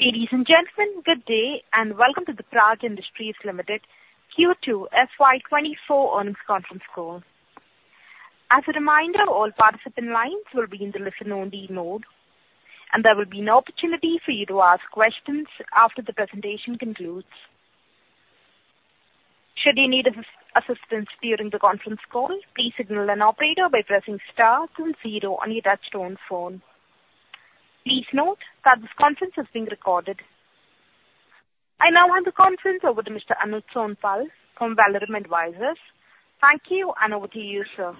Ladies and gentlemen, good day, and welcome to the Praj Industries Limited Q2 FY24 earnings conference call. As a reminder, all participant lines will be in the listen-only mode, and there will be an opportunity for you to ask questions after the presentation concludes. Should you need assistance during the conference call, please signal an operator by pressing star and zero on your touchtone phone. Please note that this conference is being recorded. I now hand the conference over to Mr. Anuj Sonpal from Valorem Advisors. Thank you, and over to you, sir.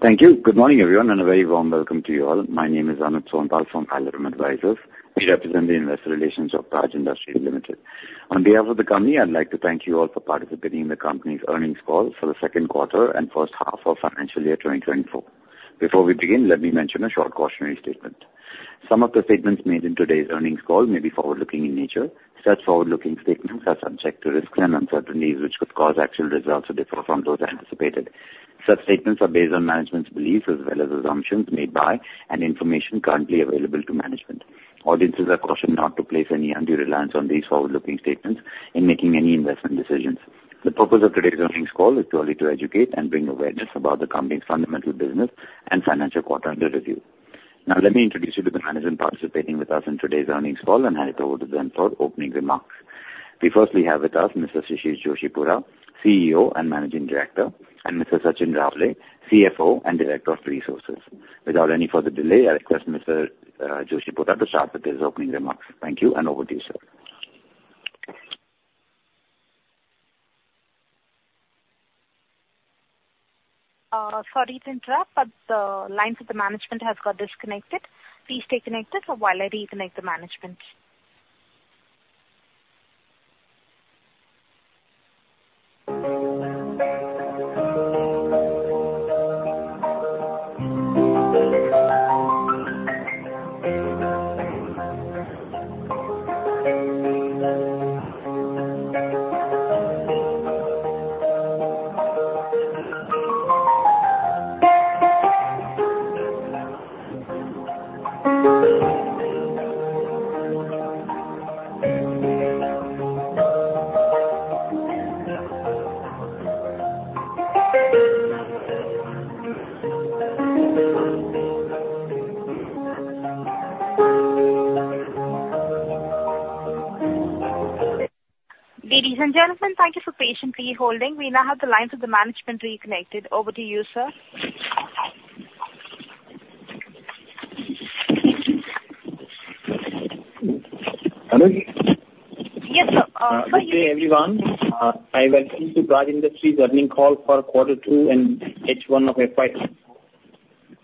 Thank you. Good morning, everyone, and a very warm welcome to you all. My name is Anuj Sonpal from Valorem Advisors. We represent the investor relations of Praj Industries Limited. On behalf of the company, I'd like to thank you all for participating in the company's earnings call for the second quarter and first half of financial year 2024. Before we begin, let me mention a short cautionary statement. Some of the statements made in today's earnings call may be forward-looking in nature. Such forward-looking statements are subject to risks and uncertainties, which could cause actual results to differ from those anticipated. Such statements are based on management's beliefs as well as assumptions made by and information currently available to management. Audiences are cautioned not to place any undue reliance on these forward-looking statements in making any investment decisions. The purpose of today's earnings call is purely to educate and bring awareness about the company's fundamental business and financial quarter under review. Now, let me introduce you to the management participating with us in today's earnings call and hand it over to them for opening remarks. Firstly, we have with us Mr. Shishir Joshipura, CEO and Managing Director, and Mr. Sachin Raole, CFO and Director-Resources. Without any further delay, I request Mr. Joshipura to start with his opening remarks. Thank you, and over to you, sir. Sorry to interrupt, but the lines of the management have got disconnected. Please stay connected while I reconnect the management. Ladies and gentlemen, thank you for patiently holding. We now have the lines of the management reconnected. Over to you, sir. Hello? Yes, sir, Good day, everyone. I welcome you to Praj Industries earnings call for quarter two and H1 of FY.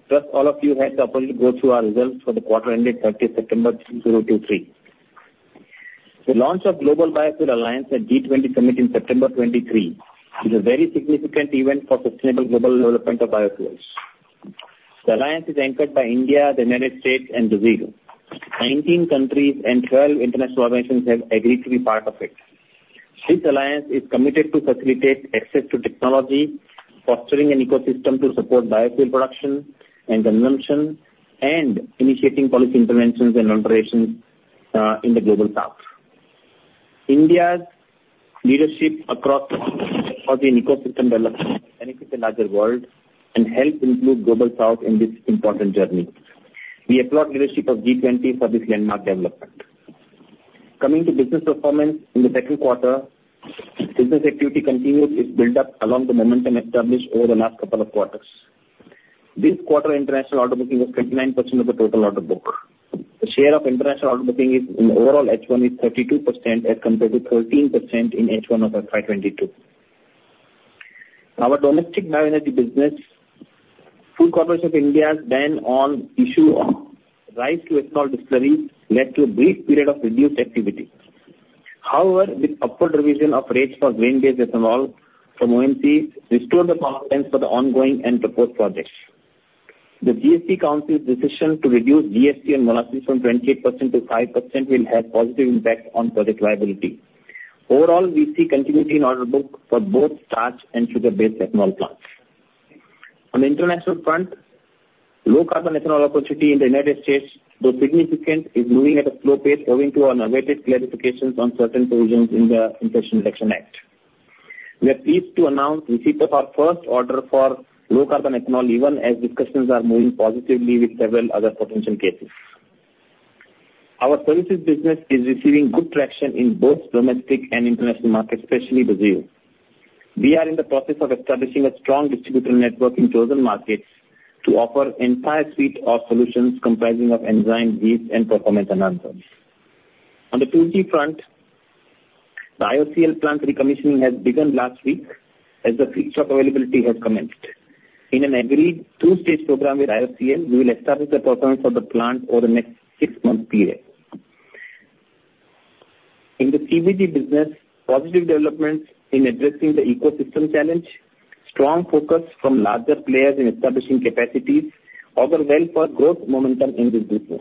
First, all of you have the opportunity to go through our results for the quarter ending 30 September 2023. The launch of Global Biofuel Alliance at G20 Summit in September 2023 is a very significant event for sustainable global development of biofuels. The alliance is anchored by India, the United States, and Brazil. 19 countries and 12 international organizations have agreed to be part of it. This alliance is committed to facilitate access to technology, fostering an ecosystem to support biofuel production and consumption, and initiating policy interventions and operations in the Global South. India's leadership across the ecosystem development benefit the larger world and help include Global South in this important journey. We applaud leadership of G20 for this landmark development. Coming to business performance in the second quarter, business activity continues its build-up along the momentum established over the last couple of quarters. This quarter, international order booking was 59% of the total order book. The share of international order booking is, in overall H1, 32% as compared to 13% in H1 of FY 2022. Our domestic bioenergy business, Food Corporation of India's ban on issue of rice to ethanol distillery, led to a brief period of reduced activity. However, with upward revision of rates for grain-based ethanol from ONGC restored the confidence for the ongoing and proposed projects. The GST Council's decision to reduce GST on molasses from 28% to 5% will have positive impact on project viability. Overall, we see continuity in order book for both starch and sugar-based ethanol plants. On the international front, low carbon ethanol opportunity in the United States, though significant, is moving at a slow pace owing to unabated clarifications on certain provisions in the Inflation Reduction Act. We are pleased to announce receipt of our first order for low carbon ethanol, even as discussions are moving positively with several other potential cases. Our solutions business is receiving good traction in both domestic and international markets, especially Brazil. We are in the process of establishing a strong distributor network in chosen markets to offer entire suite of solutions comprising of enzymes, yeast, and performance enhancers. On the 2G front, the IOCL plant recommissioning has begun last week as the feedstock availability has commenced. In an agreed two-stage program with IOCL, we will establish the performance of the plant over the next six-month period. In the CBG business, positive developments in addressing the ecosystem challenge, strong focus from larger players in establishing capacities augur well for growth momentum in this business.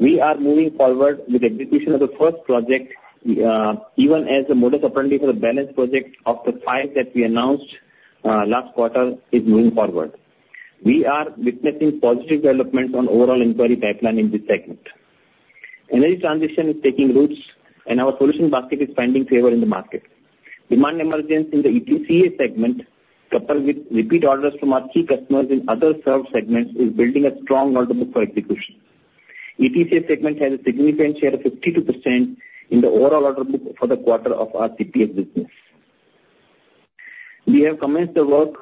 We are moving forward with execution of the first project, even as the modus operandi for the balance project of the 5 that we announced last quarter is moving forward. We are witnessing positive development on overall inquiry pipeline in this segment. Energy transition is taking roots, and our solution basket is finding favor in the market. Demand emergence in the ETCA segment, coupled with repeat orders from our key customers in other served segments, is building a strong order book for execution. ETCA segment has a significant share of 52% in the overall order book for the quarter of our P&E business. We have commenced the work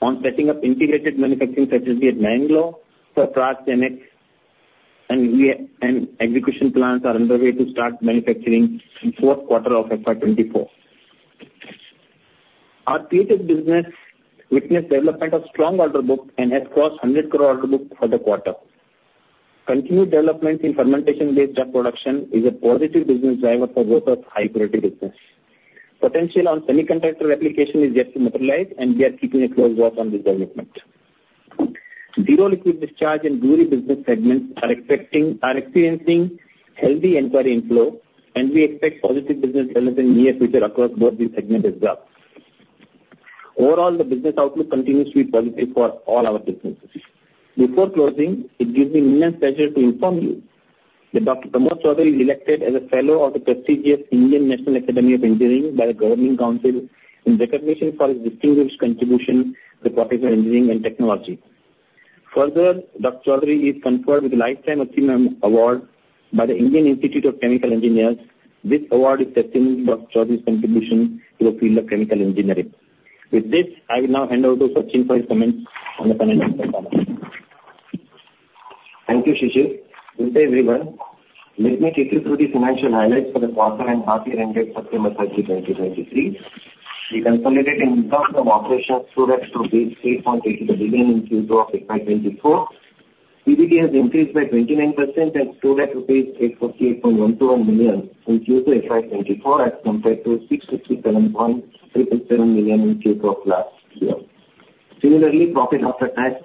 on setting up integrated manufacturing facility at Mangalore for Praj GenX, and execution plans are underway to start manufacturing in fourth quarter of FY 2024. Our PHS business witnessed development of strong order book and has crossed 100 crore order book for the quarter. Continued development in fermentation-based drug production is a positive business driver for both of high-purity business. Potential on semiconductor application is yet to materialize, and we are keeping a close watch on the development. Zero Liquid Discharge and brewery business segments are expecting, are experiencing healthy inquiry inflow, and we expect positive business development in near future across both these segment as well. Overall, the business outlook continues to be positive for all our businesses. Before closing, it gives me immense pleasure to inform you that Dr. Pramod Chaudhari is elected as a Fellow of the prestigious Indian National Academy of Engineering by the Governing Council, in recognition for his distinguished contribution to professional engineering and technology. Further, Dr. Chaudhari is conferred with a lifetime achievement award by the Indian Institute of Chemical Engineers. This award is testimony of Dr. Chaudhari's contribution to the field of chemical engineering. With this, I will now hand over to Sachin for his comments on the financial performance. Thank you, Shishir. Good day, everyone. Let me take you through the financial highlights for the quarter and half year ended September 30, 2023. The consolidated income from operations grew to INR 8.80 billion in Q2 of FY 2024. EBITDA has increased by 29% and grew to rupees 848.121 million in Q2 FY 2024, as compared to 667.327 million in Q2 of last year. Similarly, profit after tax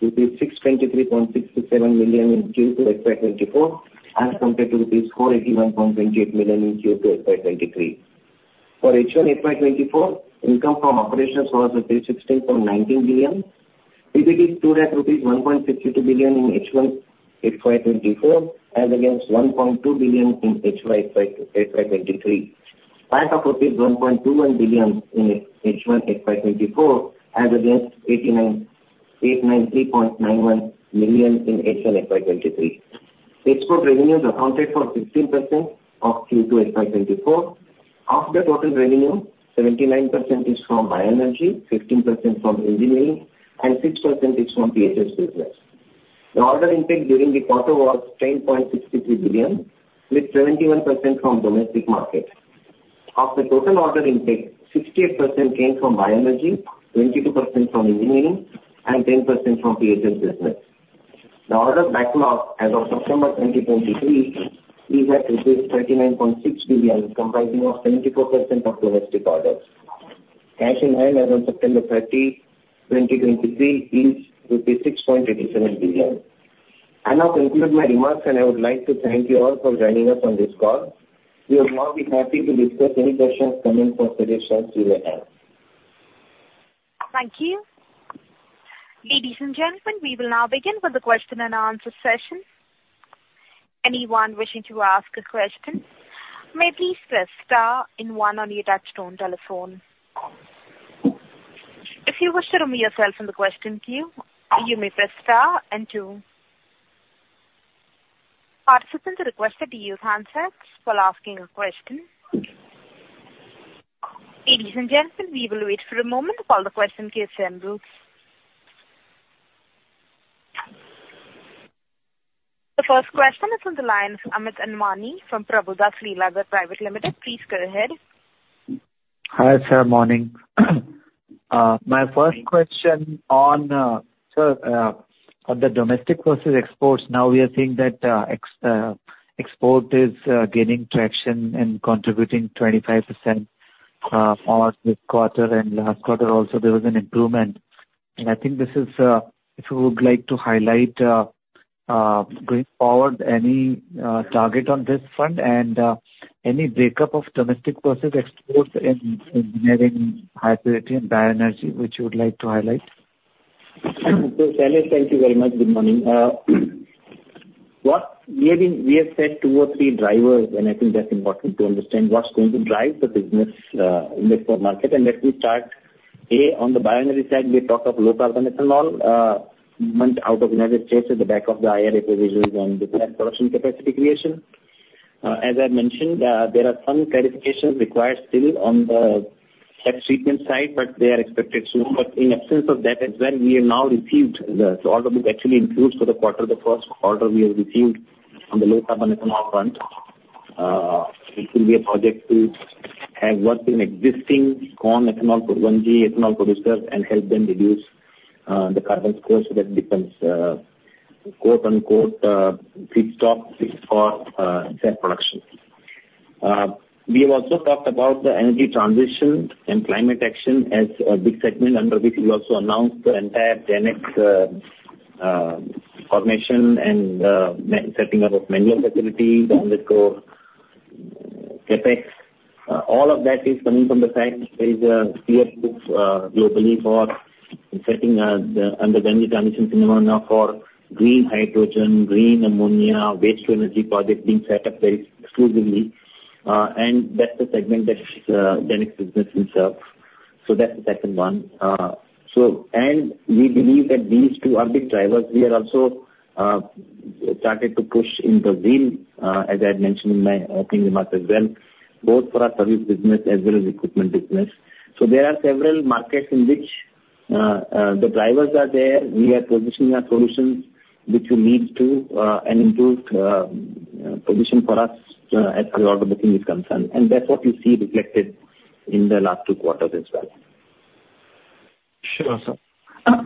grew by rupees 623.627 million in Q2 FY 2024, as compared to rupees 481.28 million in Q2 FY 2023. For H1 FY 2024, income from operations was rupees 16.19 billion. EBITDA grew to rupees 1.62 billion in H1 FY 2024, as against 1.2 billion in H1 FY 2023. PAT of rupees 1.21 billion in H1 FY 2024, as against 893.91 million in H1 FY 2023. Export revenues accounted for 16% of Q2 FY 2024. Of the total revenue, 79% is from bioenergy, 15% from engineering, and 6% is from PHS business. The order intake during the quarter was 10.63 billion, with 71% from domestic market. Of the total order intake, 68% came from bioenergy, 22% from engineering, and 10% from PHS business. The order backlog as of September 2023 is at 39.6 billion, comprising of 74% of domestic orders. Cash in hand as on September 30, 2023, is 6.87 billion. I now conclude my remarks, and I would like to thank you all for joining us on this call. We will now be happy to discuss any questions coming from suggestions you may have. Thank you. Ladies and gentlemen, we will now begin with the question and answer session. Anyone wishing to ask a question, may please press star and one on your touchtone telephone. If you wish to remove yourself from the question queue, you may press star and two. Participants are requested to use handsets while asking a question. Ladies and gentlemen, we will wait for a moment to call the question queue generally. The first question is on the line from Amit Anwani from Prabhudas Lilladher Private Limited. Please go ahead. Hi, sir. Morning. My first question on, sir, on the domestic versus exports. Now we are seeing that, export is gaining traction and contributing 25% for this quarter and last quarter also, there was an improvement. And I think this is, if you would like to highlight, going forward, any target on this front and, any breakup of domestic versus exports in, in engineering, high purity and bioenergy, which you would like to highlight? So Shailesh, thank you very much. Good morning. What we have been we have said two or three drivers, and I think that's important to understand what's going to drive the business in this core market. And let me start, A, on the bioenergy side, we talk of low-carbon ethanol went out of United States at the back of the IRA provisions on the plant production capacity creation. As I mentioned, there are some clarifications required still on the tax treatment side, but they are expected soon. But in absence of that as well, we have now received the. So order book actually includes for the quarter, the first order we have received on the low-carbon ethanol front. It will be a project to have worked in existing corn ethanol, 1G ethanol producers, and help them reduce the carbon score, so that becomes, quote, unquote, feedstock fixed for cell production. We have also talked about the energy transition and climate action as a big segment, under which we also announced the entire GenX formation and setting up of manufacturing facilities on the core CapEx. All of that is coming from the fact that there is a clear push globally for investing in the energy transition scenario now for green hydrogen, green ammonia, waste-to-energy projects being set up there exclusively. And that's the segment that this business is itself. So that's the second one. So, and we believe that these two are big drivers. We are also started to push in Brazil, as I had mentioned in my opening remarks as well, both for our service business as well as equipment business. So there are several markets in which the drivers are there. We are positioning our solutions, which will lead to an improved position for us, as far as the booking is concerned, and that's what you see reflected in the last two quarters as well. Sure, sir.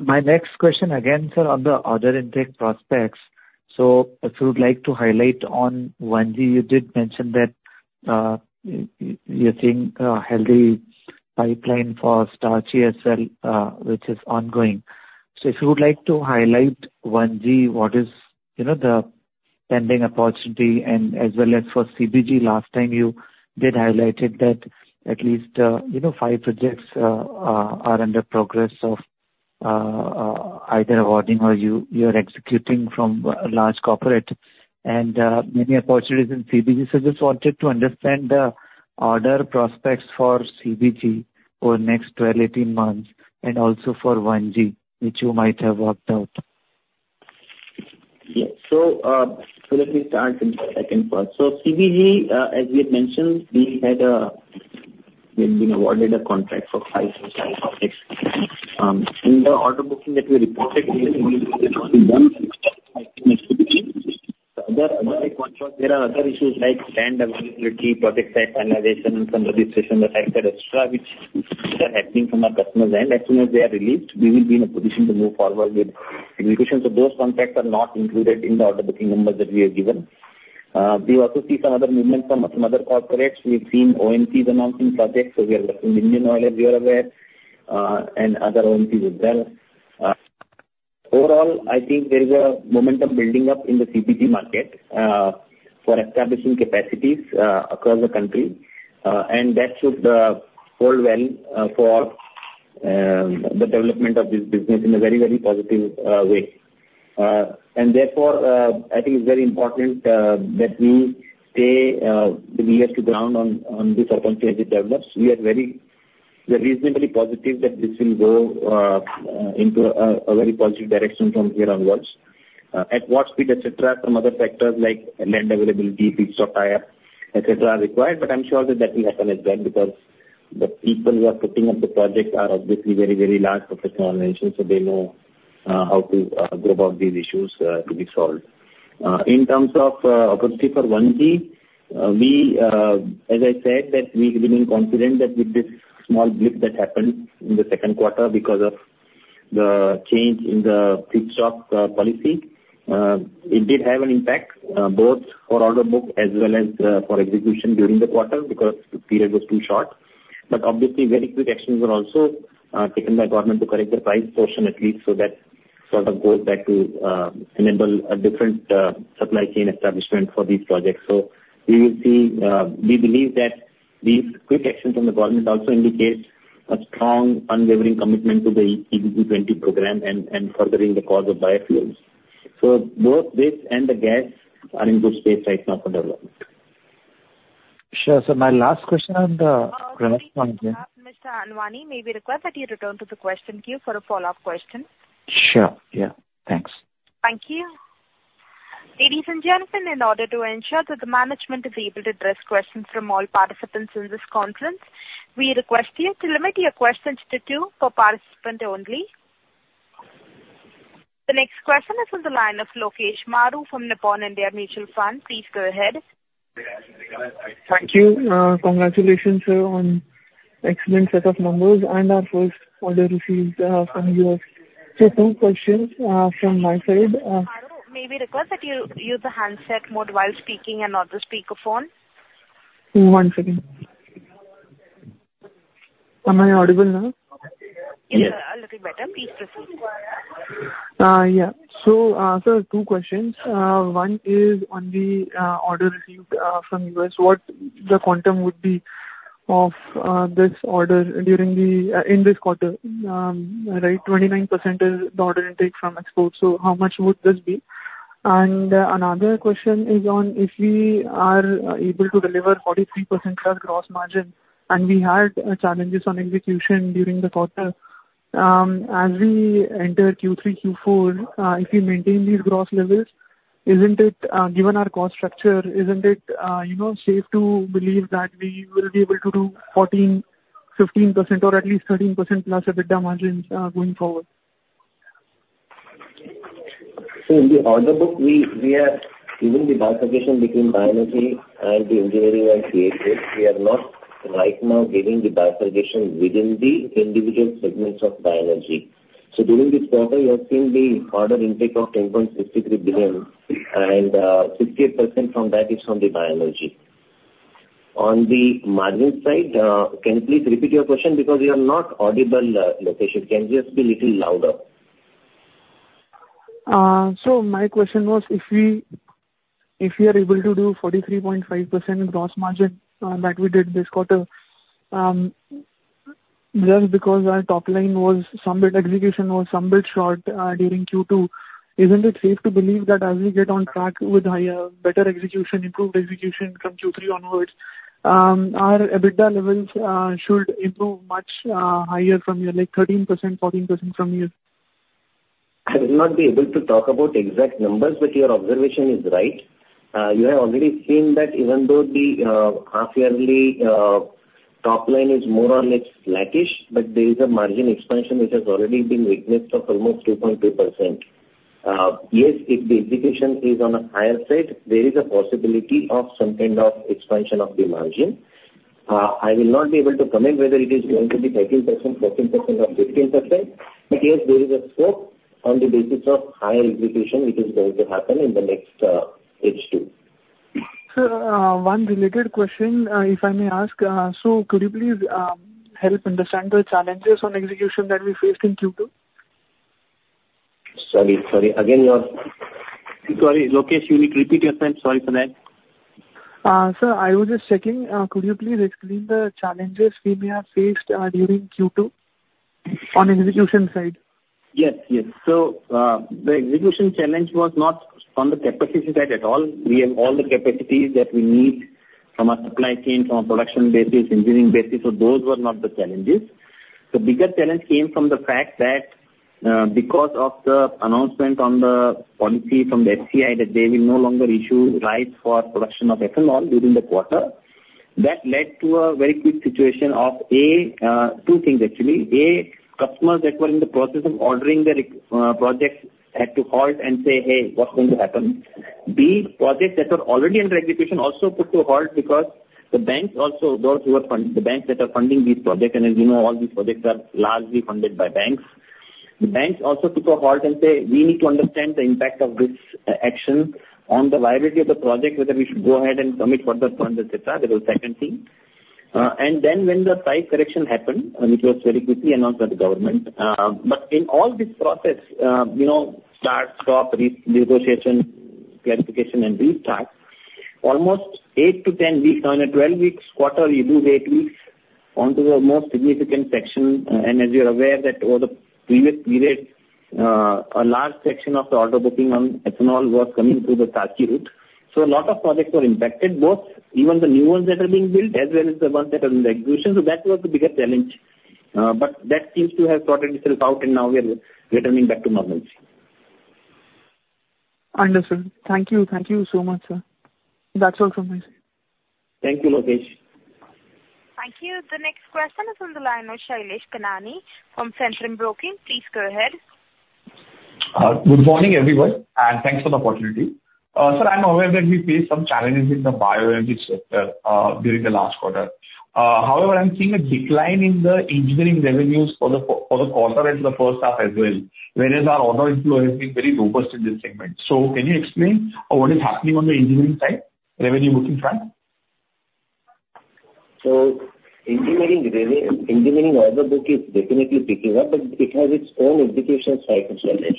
My next question again, sir, on the order intake prospects. So if you would like to highlight on 1G, you did mention that you're seeing a healthy pipeline for Starch-based, which is ongoing. So if you would like to highlight 1G, what is, you know, the pending opportunity, and as well as for CBG. Last time you did highlight that at least, you know, 5 projects are under progress of either awarding or you're executing from a large corporate, and many opportunities in CBG. So I just wanted to understand the order prospects for CBG over the next 12, 18 months, and also for 1G, which you might have worked out. Yeah. So, so let me start with the second part. So CBG, as we had mentioned, we had, we've been awarded a contract for 5. In the order booking that we reported, there are other issues like land availability, project type finalization, and some registration, et cetera, et cetera, which are happening from our customers, and as soon as they are released, we will be in a position to move forward with execution. So those contracts are not included in the order booking numbers that we have given. We also see some other movement from other corporates. We've seen OMCs announcing projects, so we are working with Indian Oil, as you are aware, and other OMCs as well. Overall, I think there is a momentum building up in the CBG market for establishing capacities across the country, and that should hold well for the development of this business in a very, very positive way. Therefore, I think it's very important that we keep our ear to the ground on this opportunity as it develops. We are reasonably positive that this will go into a very positive direction from here onwards. At what speed, et cetera, some other factors like land availability, feedstock tie-up, et cetera, are required, but I'm sure that that will happen as well, because the people who are putting up the project are obviously very, very large professional organizations, so they know how to go about these issues to be solved. In terms of opportunity for 1G, we, as I said, that we remain confident that with this small blip that happened in the second quarter because of the change in the feedstock policy, it did have an impact both for order book as well as for execution during the quarter because the period was too short. But obviously, very quick actions were also taken by government to correct the price portion, at least, so that sort of goes back to enable a different supply chain establishment for these projects. So we will see. We believe that these quick actions from the government also indicates a strong, unwavering commitment to the EBP20 program and furthering the cause of biofuels. So both this and the gas are in good space right now for development. Sure, sir. My last question on the- Mr. Anwani, may we request that you return to the question queue for a follow-up question? Sure. Yeah, thanks. Thank you. Ladies and gentlemen, in order to ensure that the management is able to address questions from all participants in this conference, we request you to limit your questions to two per participant only. The next question is from the line of Lokesh Maru from Nippon India Mutual Fund. Please go ahead. Thank you. Congratulations, sir, on excellent set of numbers and our first order received from U.S. So two questions from my side. Madhu, may we request that you use the handset mode while speaking and not the speaker phone? One second. Am I audible now? Yes, a little better. Please proceed. Yeah. So, sir, two questions. One is on the order received from U.S. What the quantum would be of this order during this quarter? Right, 29% is the order intake from exports, so how much would this be? And another question is on if we are able to deliver 43%+ gross margin, and we had challenges on execution during the quarter, as we enter Q3, Q4, if you maintain these gross levels, isn't it, you know, safe to believe that we will be able to do 14%-15%, or at least 13%+ EBITDA margins, going forward? So in the order book, we, we are giving the bifurcation between bioenergy and the engineering and construction. We are not right now giving the bifurcation within the individual segments of bioenergy. So during this quarter, you have seen the order intake of 10.63 billion, and 68% from that is from the bioenergy. On the margin side, can you please repeat your question? Because you are not audible, Lokesh. Can you just be little louder? So my question was, if we are able to do 43.5% gross margin that we did this quarter, just because our top line was somewhat, execution was somewhat short during Q2, isn't it safe to believe that as we get on track with higher, better execution, improved execution from Q3 onwards, our EBITDA levels should improve much higher from here, like 13%, 14% from here? I will not be able to talk about exact numbers, but your observation is right. You have already seen that even though the half-yearly top line is more or less flattish, but there is a margin expansion which has already been witnessed of almost 2.2%. Yes, if the execution is on a higher side, there is a possibility of some kind of expansion of the margin. I will not be able to comment whether it is going to be 13%, 14% or 15%, but yes, there is a scope on the basis of higher execution, which is going to happen in the next H2. Sir, one related question, if I may ask. So could you please help understand the challenges on execution that we faced in Q2? Sorry, sorry. Again, your...? Sorry, Lokesh, you need to repeat your question. Sorry for that. Sir, I was just checking, could you please explain the challenges we may have faced during Q2 on execution side? Yes, yes. So, the execution challenge was not from the capacity side at all. We have all the capacities that we need from our supply chain, from a production basis, engineering basis, so those were not the challenges. The bigger challenge came from the fact that, because of the announcement on the policy from the FCI, that they will no longer issue rice for production of ethanol during the quarter, that led to a very quick situation of A, two things actually. A, customers that were in the process of ordering their projects had to halt and say, "Hey, what's going to happen?" B, projects that are already under execution also put to a halt because the banks also, the banks that are funding these projects, and as you know, all these projects are largely funded by banks. The banks also put a halt and say, "We need to understand the impact of this, action on the viability of the project, whether we should go ahead and commit further funds," et cetera. That was the second thing. And then when the price correction happened, and it was very quickly announced by the government. But in all this process, you know, start, stop, re-negotiation, clarification and restart, almost 8-10 weeks on a 12-week quarter, you lose 8 weeks onto the most significant section. And as you're aware, that over the previous period, a large section of the order booking on ethanol was coming through the turnkey route. So a lot of projects were impacted, both even the new ones that are being built as well as the ones that are in the execution. So that was the biggest challenge. But that seems to have sorted itself out, and now we are returning back to normalcy. Understood. Thank you. Thank you so much, sir. That's all from my side. Thank you, Lokesh. Thank you. The next question is on the line of Shailesh Kanani from Centrum Broking. Please go ahead. Good morning, everyone, and thanks for the opportunity. Sir, I'm aware that we faced some challenges in the bioenergy sector during the last quarter. However, I'm seeing a decline in the engineering revenues for the quarter and the first half as well, whereas our order inflow has been very robust in this segment. So can you explain what is happening on the engineering side, revenue booking front? So engineering order book is definitely picking up, but it has its own execution cycle challenge.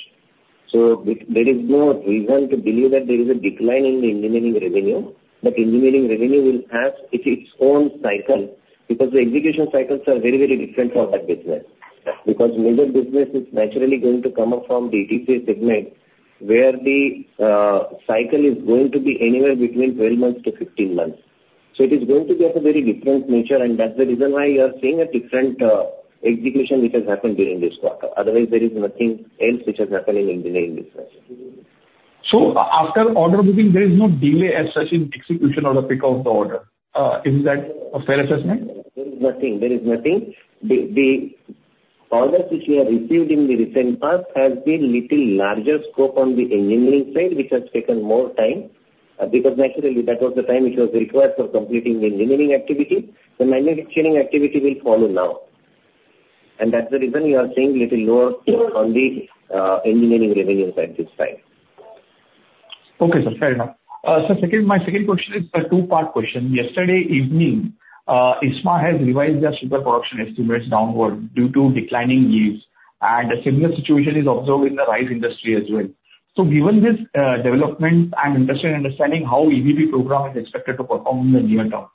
So there is no reason to believe that there is a decline in the engineering revenue, but engineering revenue will have its own cycle because the execution cycles are very, very different for that business. Because major business is naturally going to come up from ETCA segment, where the cycle is going to be anywhere between 12 months to 15 months. So it is going to be of a very different nature, and that's the reason why you are seeing a different execution, which has happened during this quarter. Otherwise, there is nothing else which has happened in engineering business. So after order booking, there is no delay as such in execution or the pick of the order. Is that a fair assessment? There is nothing, there is nothing. The orders which we have received in the recent past has been little larger scope on the engineering side, which has taken more time, because naturally, that was the time which was required for completing the engineering activity. The manufacturing activity will follow now, and that's the reason we are seeing little lower on the engineering revenues at this time. Okay, sir, fair enough. Sir, second, my second question is a two-part question. Yesterday evening, ISMA has revised their sugar production estimates downward due to declining yields, and a similar situation is observed in the rice industry as well. So given this development, I'm interested in understanding how EBP program is expected to perform in the near term,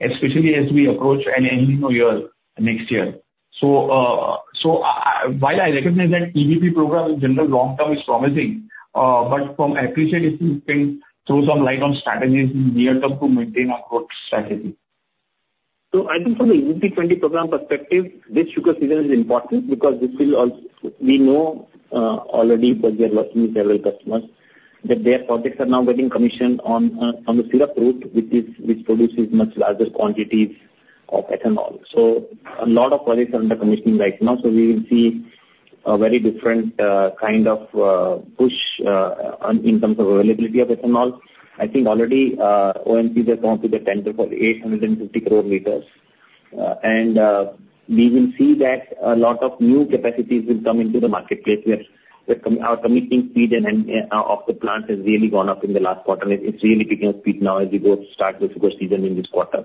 especially as we approach an El Niño year next year. So, while I recognize that EBP program in general, long term, is promising, but I appreciate if you can throw some light on strategies in near term to maintain our growth strategy. So I think from the EBP20 program perspective, this sugar season is important because this will also—we know already, because we are working with several customers, that their projects are now getting commissioned on the syrup route, which produces much larger quantities of ethanol. So a lot of projects are under commissioning right now, so we will see a very different kind of push on in terms of availability of ethanol. I think already, ONGC has gone to the tender for 850 crore liters. And we will see that a lot of new capacities will come into the marketplace. We're commissioning speed of the plant has really gone up in the last quarter. It's really picking up speed now as we go start the sugar season in this quarter.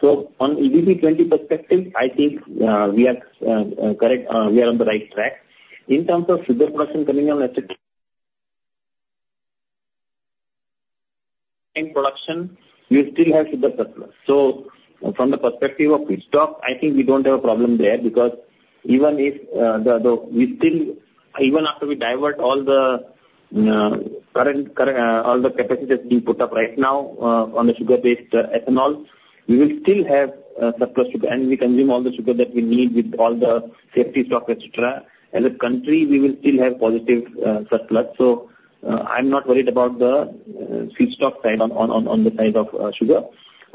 So on EBP20 perspective, I think we are correct, we are on the right track. In terms of sugar production coming on, et cetera, in production, we still have sugar surplus. So from the perspective of feedstock, I think we don't have a problem there, because even if the we still even after we divert all the current all the capacity that's being put up right now on the sugar-based ethanol, we will still have surplus sugar, and we consume all the sugar that we need with all the safety stock, et cetera. As a country, we will still have positive surplus. So, I'm not worried about the feedstock side on the side of sugar.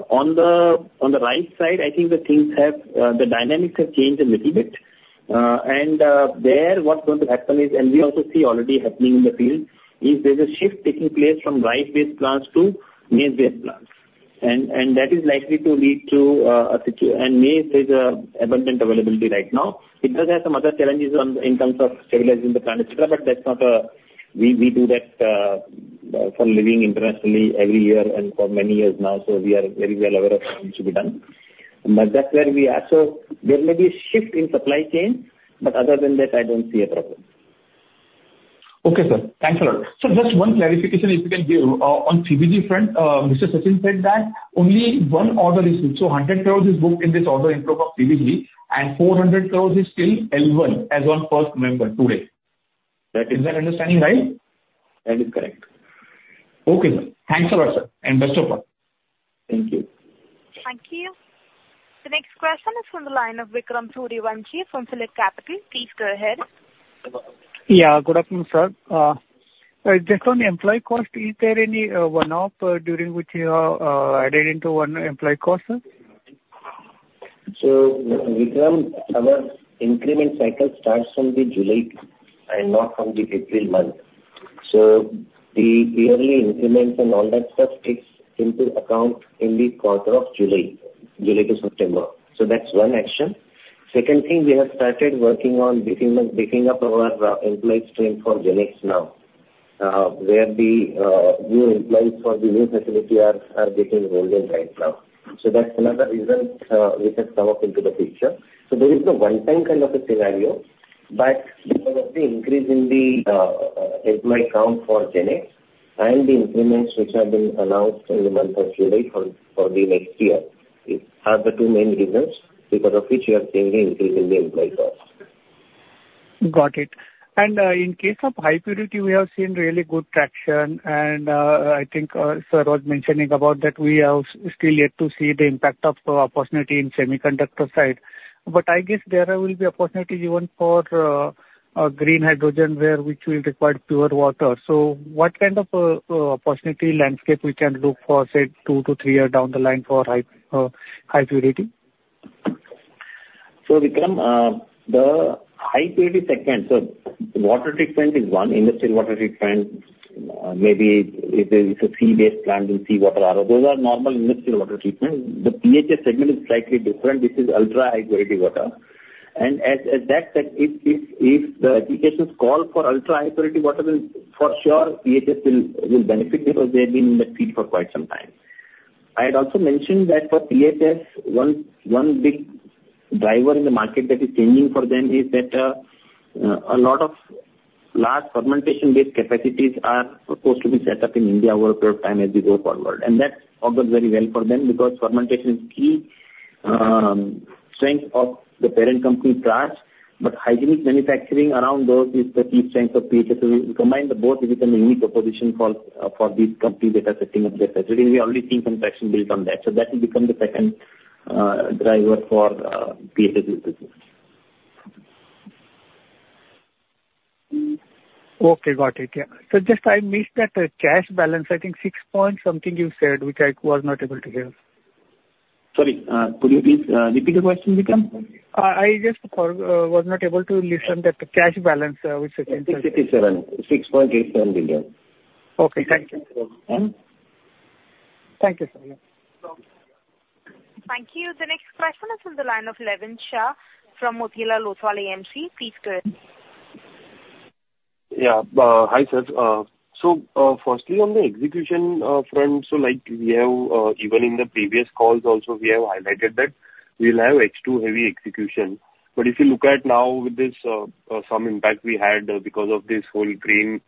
On the rice side, I think the dynamics have changed a little bit. And, what's going to happen is, and we also see already happening in the field, is there's a shift taking place from rice-based plants to maize-based plants. And that is likely to lead to. And maize, there's an abundant availability right now. It does have some other challenges in terms of stabilizing the plant, et cetera, but that's not a—we do that for a living internationally, every year and for many years now, so we are very well aware of what needs to be done. But that's where we are. There may be a shift in supply chain, but other than that, I don't see a problem. Okay, sir. Thanks a lot. So just one clarification, if you can give, on CBG front. Mr. Sachin said that only one order is good, so 100 crores is booked in this order inflow of CBG, and 400 crores is still L1, as on first November, today. That is my understanding, right? That is correct. Okay, sir. Thanks a lot, sir, and best of luck. Thank you. Thank you. The next question is from the line of Vikram Suryavanshi from PhillipCapital. Please go ahead. Yeah, good afternoon, sir. Just on the employee cost, is there any one-off during which you are added into one employee cost, sir? So Vikram, our increment cycle starts from the July and not from the April month. So the yearly increments and all that stuff takes into account in the quarter of July, July to September. So that's one action. Second thing, we have started working on building up our employee stream for GenX now, where the new employees for the new facility are getting rolled in right now. So that's another reason, which has come up into the picture. So there is no one-time kind of a scenario, but because of the increase in the employee count for GenX and the increments, which have been announced in the month of July for the next year, are the two main reasons because of which we are seeing the increase in the employee cost. Got it. And in case of high purity, we have seen really good traction, and I think sir was mentioning about that we are still yet to see the impact of opportunity in semiconductor side. But I guess there will be opportunity even for a green hydrogen, where which will require pure water. So what kind of opportunity landscape we can look for, say, 2-3 years down the line for high purity? So Vikram, the high purity segment, water treatment is one, industrial water treatment. Maybe if it's a sea-based plant, we'll see water RO. Those are normal industrial water treatment. The PHS segment is slightly different. This is ultrahigh purity water. And if the applications call for ultrahigh purity water, PHS will for sure benefit because they've been in that field for quite some time. I had also mentioned that for PHS, one big driver in the market that is changing for them is that a lot of large fermentation-based capacities are supposed to be set up in India over a period of time as we go forward. And that bodes very well for them, because fermentation is key strength of the parent company, starch. Hygienic manufacturing around those is the key strength of PHS. You combine the both, it become a unique proposition for these companies that are setting up their factory. We already seeing some traction built on that. That will become the second driver for PHS business. Okay, got it. Yeah. So just I missed that, cash balance. I think 6 point something you said, which I was not able to hear. Sorry, could you please repeat the question, Vikram? I just was not able to listen that cash balance, which you said. INR 6.87. INR 6.87 billion. Okay, thank you. Hmm? Thank you, sir. Thank you. The next question is from the line of Levin Shah from Motilal Oswal AMC. Please go ahead. Yeah. Hi, sir. So, firstly, on the execution front, so like we have even in the previous calls also, we have highlighted that we will have H2 heavy execution. But if you look at now with this some impact we had because of this whole grain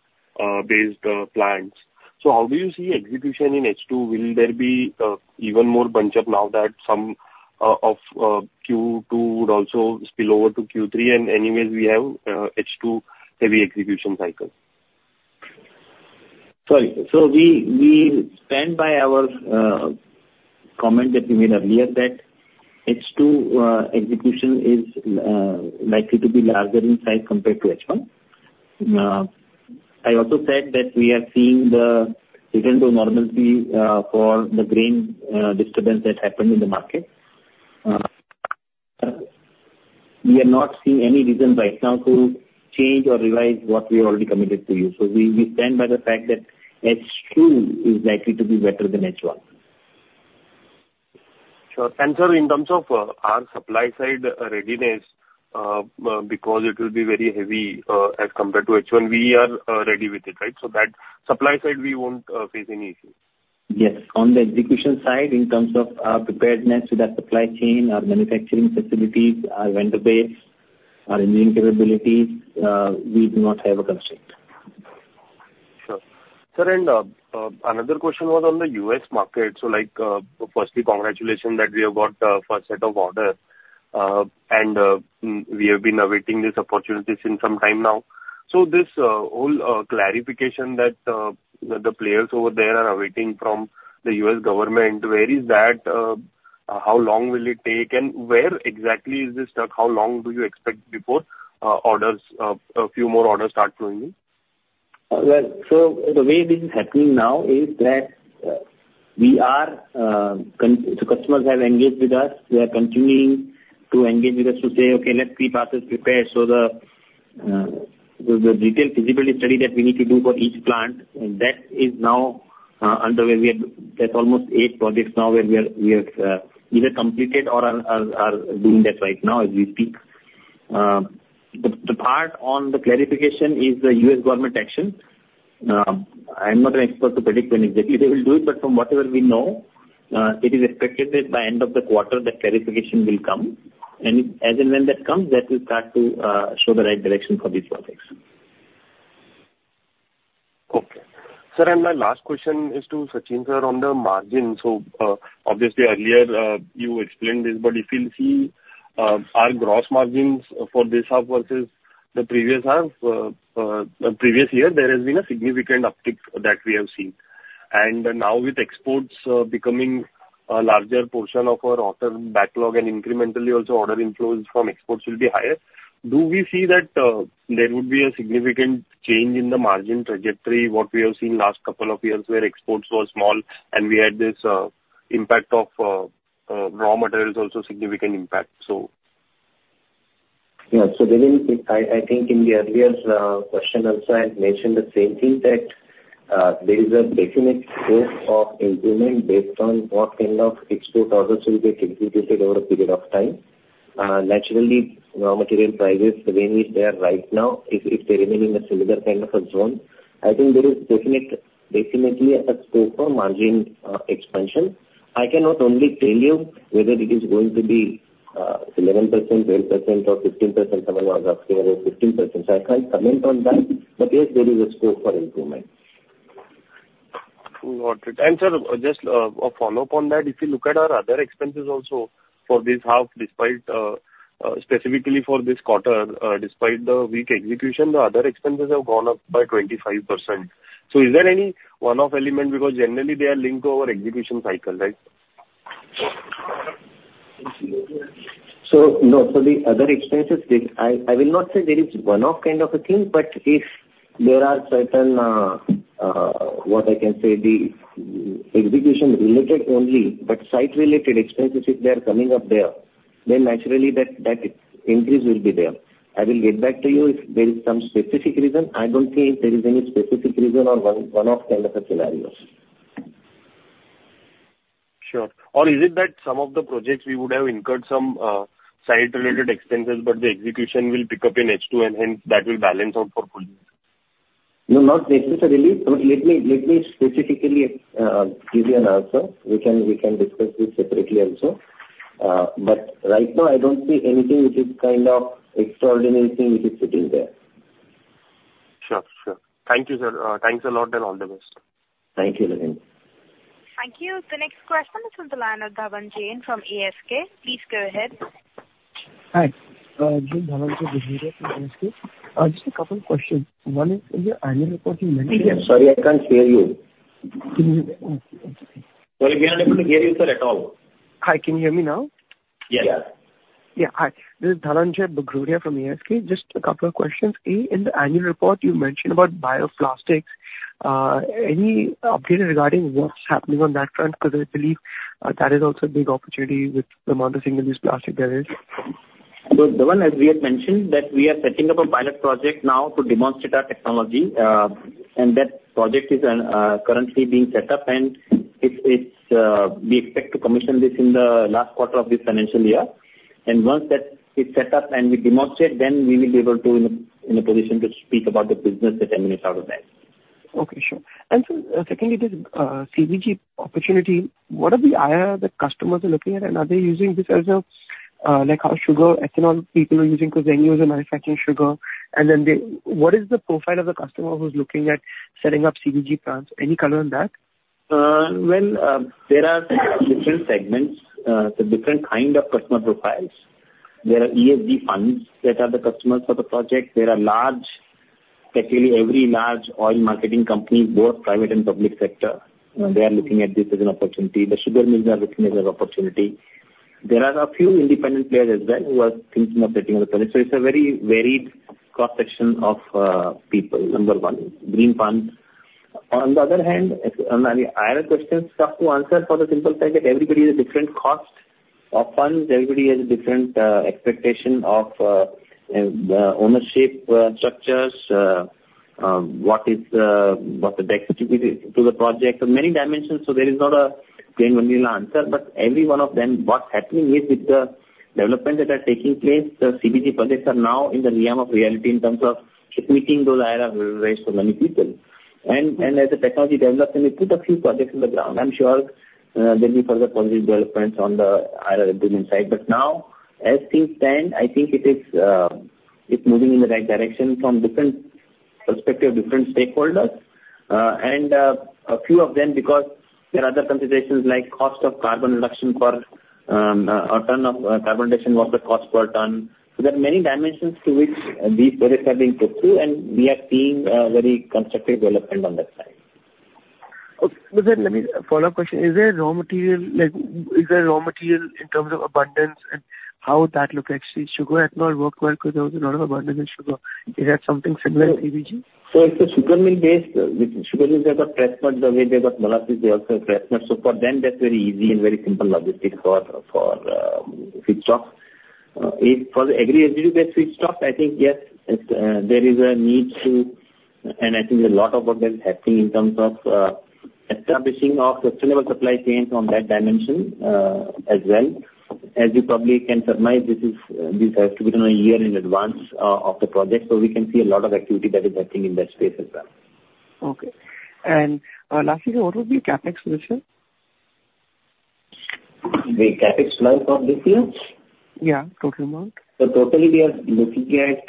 based plants. So how do you see execution in H2? Will there be even more bunch up now that some of Q2 would also spill over to Q3, and anyways, we have H2 heavy execution cycle? Sorry. So we, we stand by our comment that we made earlier, that H2 execution is likely to be larger in size compared to H1. I also said that we are seeing the return to normalcy for the grain disturbance that happened in the market. We are not seeing any reason right now to change or revise what we have already committed to you. So we, we stand by the fact that H2 is likely to be better than H1. Sure. And sir, in terms of our supply side readiness, because it will be very heavy as compared to H1. We are ready with it, right? So that supply side, we won't face any issues. Yes. On the execution side, in terms of preparedness, so that supply chain, our manufacturing facilities, our vendor base, our engineering capabilities, we do not have a constraint. Sure. Sir, and another question was on the U.S. market. So like, firstly, congratulations that we have got the first set of orders, and we have been awaiting this opportunity since some time now. So this whole clarification that the players over there are awaiting from the U.S. government, where is that? How long will it take, and where exactly is this stuck? How long do you expect before orders, a few more orders start flowing in? Well, so the way this is happening now is that, we are, the customers have engaged with us. They are continuing to engage with us to say, "Okay, let's keep us prepared." So the detailed feasibility study that we need to do for each plant, and that is now, underway. There's almost 8 projects now where we are either completed or are doing that right now as we speak. The part on the clarification is the U.S. government action. I'm not an expert to predict when exactly they will do it, but from whatever we know, it is expected that by end of the quarter, the clarification will come. And as and when that comes, that will start to show the right direction for these projects. Okay. Sir, and my last question is to Sachin, sir, on the margin. So, obviously earlier, you explained this, but if you'll see, our gross margins for this half versus the previous half, the previous year, there has been a significant uptick that we have seen. And now with exports, becoming a larger portion of our order backlog and incrementally also, order inflows from exports will be higher, do we see that, there would be a significant change in the margin trajectory, what we have seen last couple of years, where exports were small, and we had this, impact of, raw materials, also significant impact so? Yeah. So within this, I, I think in the earlier question also, I had mentioned the same thing, that there is a definite scope of improvement based on what kind of export orders will get executed over a period of time. Naturally, raw material prices, the way it is there right now, if, if they remain in a similar kind of a zone, I think there is definitely a scope for margin expansion. I cannot only tell you whether it is going to be 11%, 12%, or 15%, someone was asking about 15%. So I can't comment on that, but yes, there is a scope for improvement. Got it. Sir, just, a follow-up on that. If you look at our other expenses also for this half, despite, specifically for this quarter, despite the weak execution, the other expenses have gone up by 25%. So is there any one-off element? Because generally, they are linked to our execution cycle, right? So no. So the other expenses, this I will not say there is one-off kind of a thing, but if there are certain, what I can say, the execution related only, but site related expenses, if they are coming up there, then naturally that increase will be there. I will get back to you if there is some specific reason. I don't see if there is any specific reason or one-off kind of a scenario. Sure. Or is it that some of the projects we would have incurred some, site-related expenses, but the execution will pick up in H2, and hence, that will balance out for full year? No, not necessarily. So let me, let me specifically, give you an answer. We can, we can discuss this separately also. But right now, I don't see anything which is kind of extraordinary thing which is sitting there. Sure. Sure. Thank you, sir. Thanks a lot and all the best. Thank you, Levin. Thank you. The next question is from the line of Dhaval Jain from ASK. Please go ahead. Hi, Dhaval Jain from ASK. Just a couple of questions. One is, in your annual report you mentioned- Sorry, I can't hear you. Mm. Okay. Sorry, we are not able to hear you, sir, at all. Hi, can you hear me now? Yes. Yeah, hi. This is Dhaval Jain from ASK. Just a couple of questions. A, in the annual report, you mentioned about bioplastics. Any update regarding what's happening on that front? Because I believe, that is also a big opportunity with the amount of single-use plastic there is. So Dhawan, as we had mentioned, that we are setting up a pilot project now to demonstrate our technology, and that project is currently being set up and it's we expect to commission this in the last quarter of this financial year. Once that is set up and we demonstrate, then we will be able to in a position to speak about the business that emanates out of that. Okay, sure. And sir, secondly, this CBG opportunity, what are the IRR that customers are looking at? And are they using this as a, like how sugar ethanol people are using, because they use it in manufacturing sugar. And then they... What is the profile of the customer who's looking at setting up CBG plants? Any color on that? Well, there are different segments, so different kind of customer profiles. There are ESG funds that are the customers for the project. There are large, actually every large oil marketing company, both private and public sector, they are looking at this as an opportunity. The sugar mills are looking at it as an opportunity. There are a few independent players as well, who are thinking of setting up a project. So it's a very varied cross-section of people, number one, green funds. On the other hand, the IR question, tough to answer for the simple fact that everybody has a different cost of funds, everybody has a different expectation of ownership structures, what the next activity to the project? So many dimensions, so there is not a plain one answer. But every one of them, what's happening is, with the developments that are taking place, the CBG projects are now in the realm of reality in terms of meeting those IRRs for many people. And as the technology develops, and we put a few projects on the ground, I'm sure there'll be further positive developments on the IRR building side. But now, as things stand, I think it is, it's moving in the right direction from different perspective, different stakeholders. And a few of them because there are other considerations like cost of carbon reduction per ton of carbon reduction, what the cost per ton. So there are many dimensions to which these projects are being put through, and we are seeing very constructive development on that side. Okay. But then, let me follow-up question: Is there raw material, like, is there raw material in terms of abundance and how would that look actually? Sugar had not worked well because there was a lot of abundance in sugar. Is that something similar to CBG? So if the sugar mill-based, with sugar mills, they have got press mud. The way they've got molasses, they also have press mud. So for them, that's very easy and very simple logistics for feedstock. If for the agri-based feedstock, I think, yes, there is a need to... And I think a lot of work is happening in terms of establishing of sustainable supply chains from that dimension, as well. As you probably can surmise, this has to be done a year in advance of the project, so we can see a lot of activity that is happening in that space as well. Okay. And, lastly, sir, what would be CapEx for this year? The CapEx plan for this year? Yeah, total amount. So totally, we are looking at,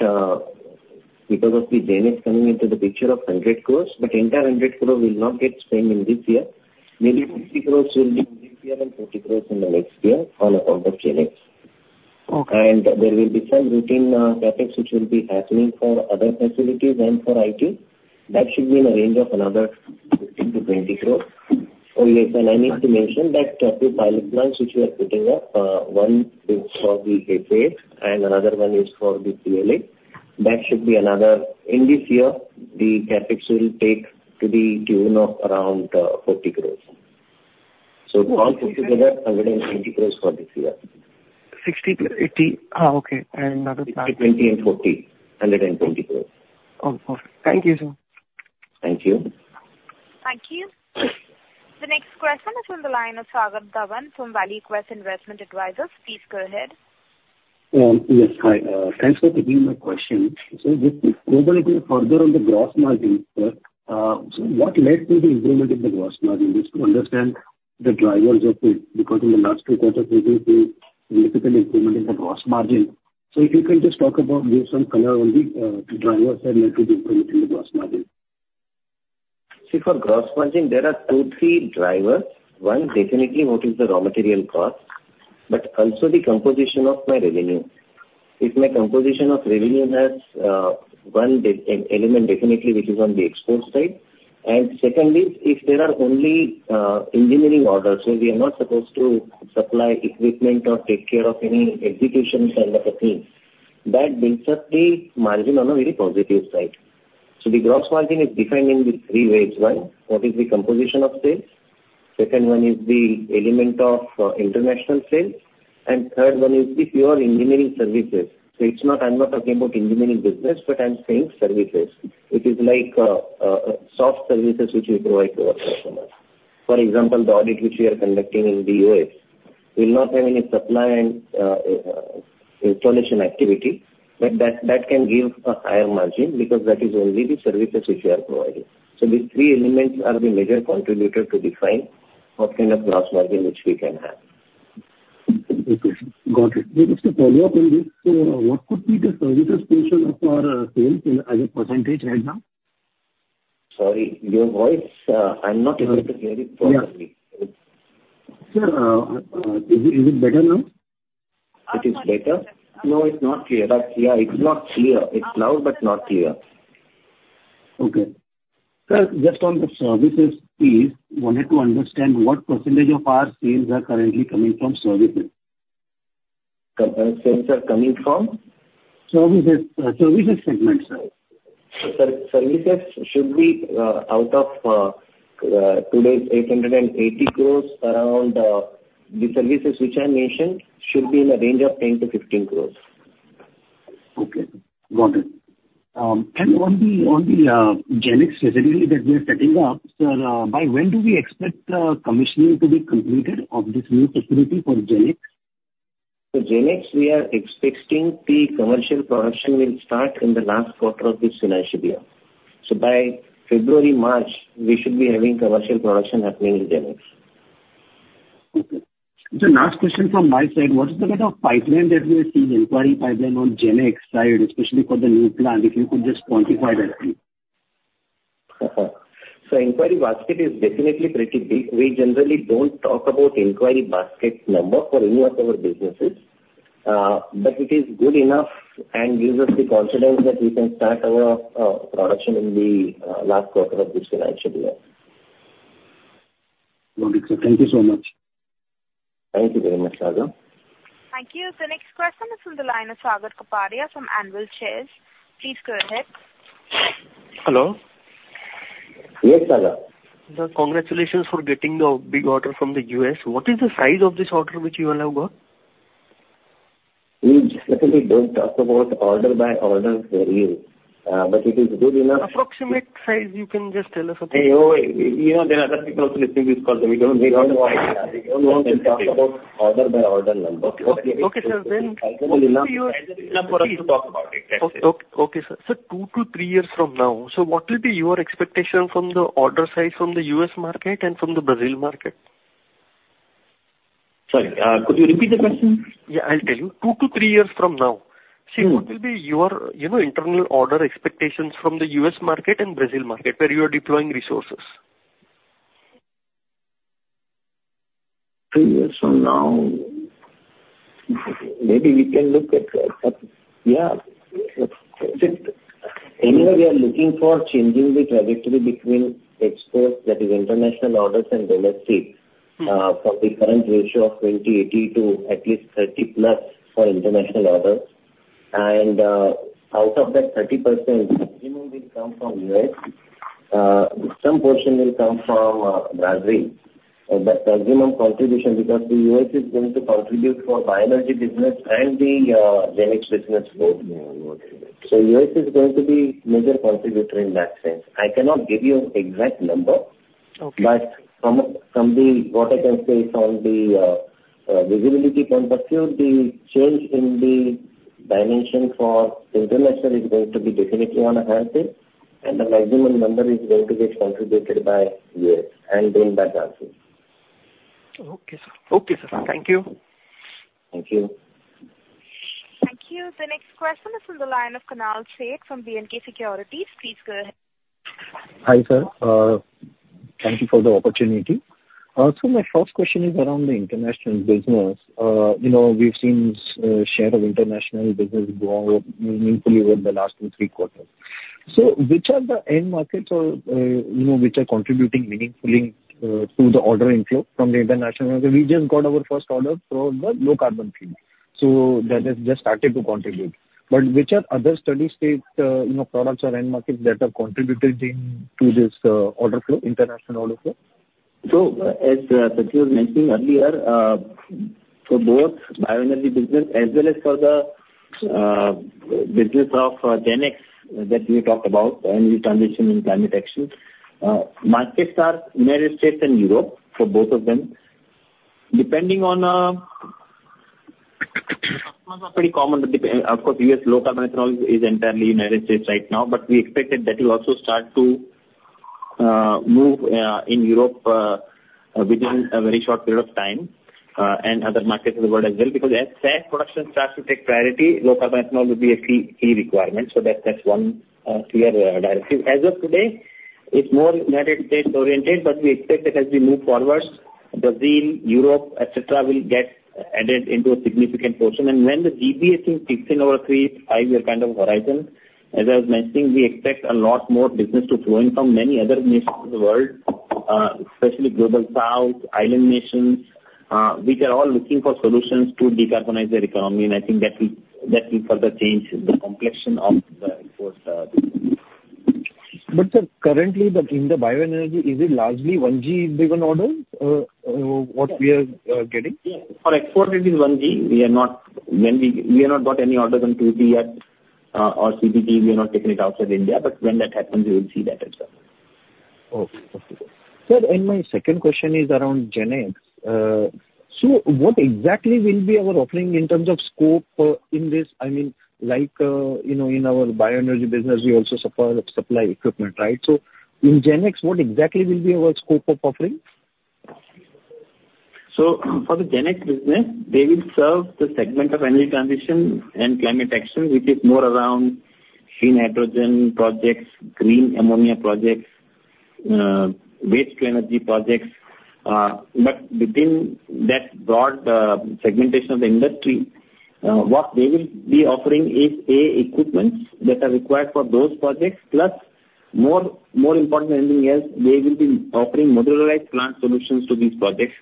because of the GenX coming into the picture, of 100 crores, but entire 100 crores will not get spent in this year. Maybe 60 crores will be in this year and 40 crores in the next year on account of GenX. Okay. There will be some routine CapEx, which will be happening for other facilities and for IT. That should be in a range of another 15-20 crores. Oh, yes, and I need to mention that two pilot plants which we are putting up, one is for the PHA, and another one is for the PLA. That should be another; in this year, the CapEx will take to the tune of around 40 crores. So all put together, 180 crores for this year. 60-80? Ah, okay, and another 20. INR 240 crore and INR 120 crore. Oh, perfect. Thank you, sir. Thank you. Thank you. The next question is on the line of Sagar Dhanani from Valuequest Investment Advisors. Please go ahead. Yes, hi, thanks for taking my question. So just to go a little further on the gross margin, sir, so what led to the improvement in the gross margin? Just to understand the drivers of it, because in the last two quarters, we've seen significant improvement in the gross margin. So if you can just talk about, give some color on the, drivers that led to the improvement in the gross margin. See, for gross margin, there are two, three drivers. One, definitely what is the raw material cost, but also the composition of my revenue. If my composition of revenue has one, an element definitely which is on the export side. And secondly, if there are only engineering orders, so we are not supposed to supply equipment or take care of any execution side of the things, that builds up the margin on a very positive side. So the gross margin is defined in the three ways. One, what is the composition of sales? Second one is the element of international sales, and third one is the pure engineering services. So it's not, I'm not talking about engineering business, but I'm saying services. It is like soft services which we provide to our customers. For example, the audit which we are conducting in the U.S., we'll not have any supply and installation activity, but that, that can give a higher margin because that is only the services which we are providing. So these three elements are the major contributor to define what kind of gross margin which we can have. Okay, got it. Just a follow-up on this. What could be the services portion of our sales in as a percentage right now? Sorry, your voice, I'm not able to hear it properly. Yeah. Sir, is it better now? It is better. No, it's not clear, but yeah, it's not clear. It's loud, but not clear. Okay. Sir, just on the services please, wanted to understand what percentage of our sales are currently coming from services? Sales are coming from? Services, services segment, sir. Sir, services should be out of today's 880 crore around the services which I mentioned should be in the range of 10 crore-15 crore. Okay, got it. And on the GenX facility that we are setting up, sir, by when do we expect the commissioning to be completed of this new facility for GenX? For GenX, we are expecting the commercial production will start in the last quarter of this financial year. So by February, March, we should be having commercial production happening in GenX. Okay. Last question from my side: What is the kind of pipeline that we are seeing, inquiry pipeline on GenX side, especially for the new plant? If you could just quantify that please. So inquiry basket is definitely pretty big. We generally don't talk about inquiry basket number for any of our businesses. But it is good enough and gives us the confidence that we can start our production in the last quarter of this financial year. Got it, sir. Thank you so much. Thank you very much, Sagar. Thank you. The next question is from the line of Sagar Kapadia from Anvil Shares. Please go ahead. Hello. Yes, Sagar. Sir, congratulations for getting the big order from the U.S. What is the size of this order which you all have got?... We generally don't talk about order by order query, but it is good enough- Approximate size you can just tell us about? Hey, oh, you know, there are other people listening this call, so we don't, we don't want to, we don't want to talk about order by order number. Okay, sir. Then what will be your- Please talk about it. Okay, sir. Sir, 2-3 years from now, so what will be your expectation from the order size from the U.S. market and from the Brazil market? Sorry, could you repeat the question? Yeah, I'll tell you. 2-3 years from now- Hmm. What will be your, you know, internal order expectations from the U.S. market and Brazil market, where you are deploying resources? Three years from now, maybe we can look at... Yeah. Anyway, we are looking for changing the trajectory between exports, that is international orders and domestic- Hmm. from the current ratio of 20:80 to at least 30+ for international orders. And, out of that 30%, maximum will come from US. Some portion will come from Brazil, but maximum contribution, because the US is going to contribute for bioenergy business and the GenX business both. Yeah, got you. U.S. is going to be major contributor in that sense. I cannot give you an exact number. Okay. From the visibility point of view, the change in the dimension for international is going to be definitely on a higher base, and the maximum number is going to get contributed by U.S. and then by Brazil. Okay, sir. Okay, sir. Thank you. Thank you. Thank you. The next question is on the line of Kunal Sheth from B&K Securities. Please go ahead. Hi, sir. Thank you for the opportunity. So my first question is around the international business. You know, we've seen share of international business grow meaningfully over the last 2-3 quarters. So which are the end markets or, you know, which are contributing meaningfully to the order inflow from the international? We just got our first order from the low-carbon field, so that has just started to contribute. But which are other steady-state, you know, products or end markets that are contributing to this order flow, international order flow? So, as Sachin was mentioning earlier, for both bioenergy business as well as for the business of GenX, that we talked about, energy transition and climate action, markets are United States and Europe, for both of them. Depending on, of course, U.S. low carbon ethanol is entirely United States right now, but we expected that will also start to move in Europe within a very short period of time and other markets of the world as well. Because as SAF production starts to take priority, low carbon ethanol will be a key, key requirement. So that's, that's one clear directive. As of today, it's more United States-oriented, but we expect that as we move forward, Brazil, Europe, et cetera, will get added into a significant portion. When the GBA kicks in over a 3-5-year kind of horizon, as I was mentioning, we expect a lot more business to flow in from many other nations of the world, especially Global South, island nations, which are all looking for solutions to decarbonize their economy, and I think that will, that will further change the complexion of the export business. Sir, currently in the bioenergy, is it largely 1G driven orders what we are getting? Yes. For export, it is 1G. We are not. We have not got any orders on 2G yet, or CBG. We are not taking it outside India, but when that happens, we will see that as well. Okay. Sir, and my second question is around GenX. So what exactly will be our offering in terms of scope, in this? I mean, like, you know, in our bioenergy business, we also supply, supply equipment, right? So in GenX, what exactly will be our scope of offering? So for the GenX business, they will serve the segment of energy transition and climate action, which is more around green hydrogen projects, green ammonia projects, waste to energy projects. But within that broad segmentation of the industry, what they will be offering is, A, equipments that are required for those projects, plus more, more important than anything else, they will be offering modularized plant solutions to these projects.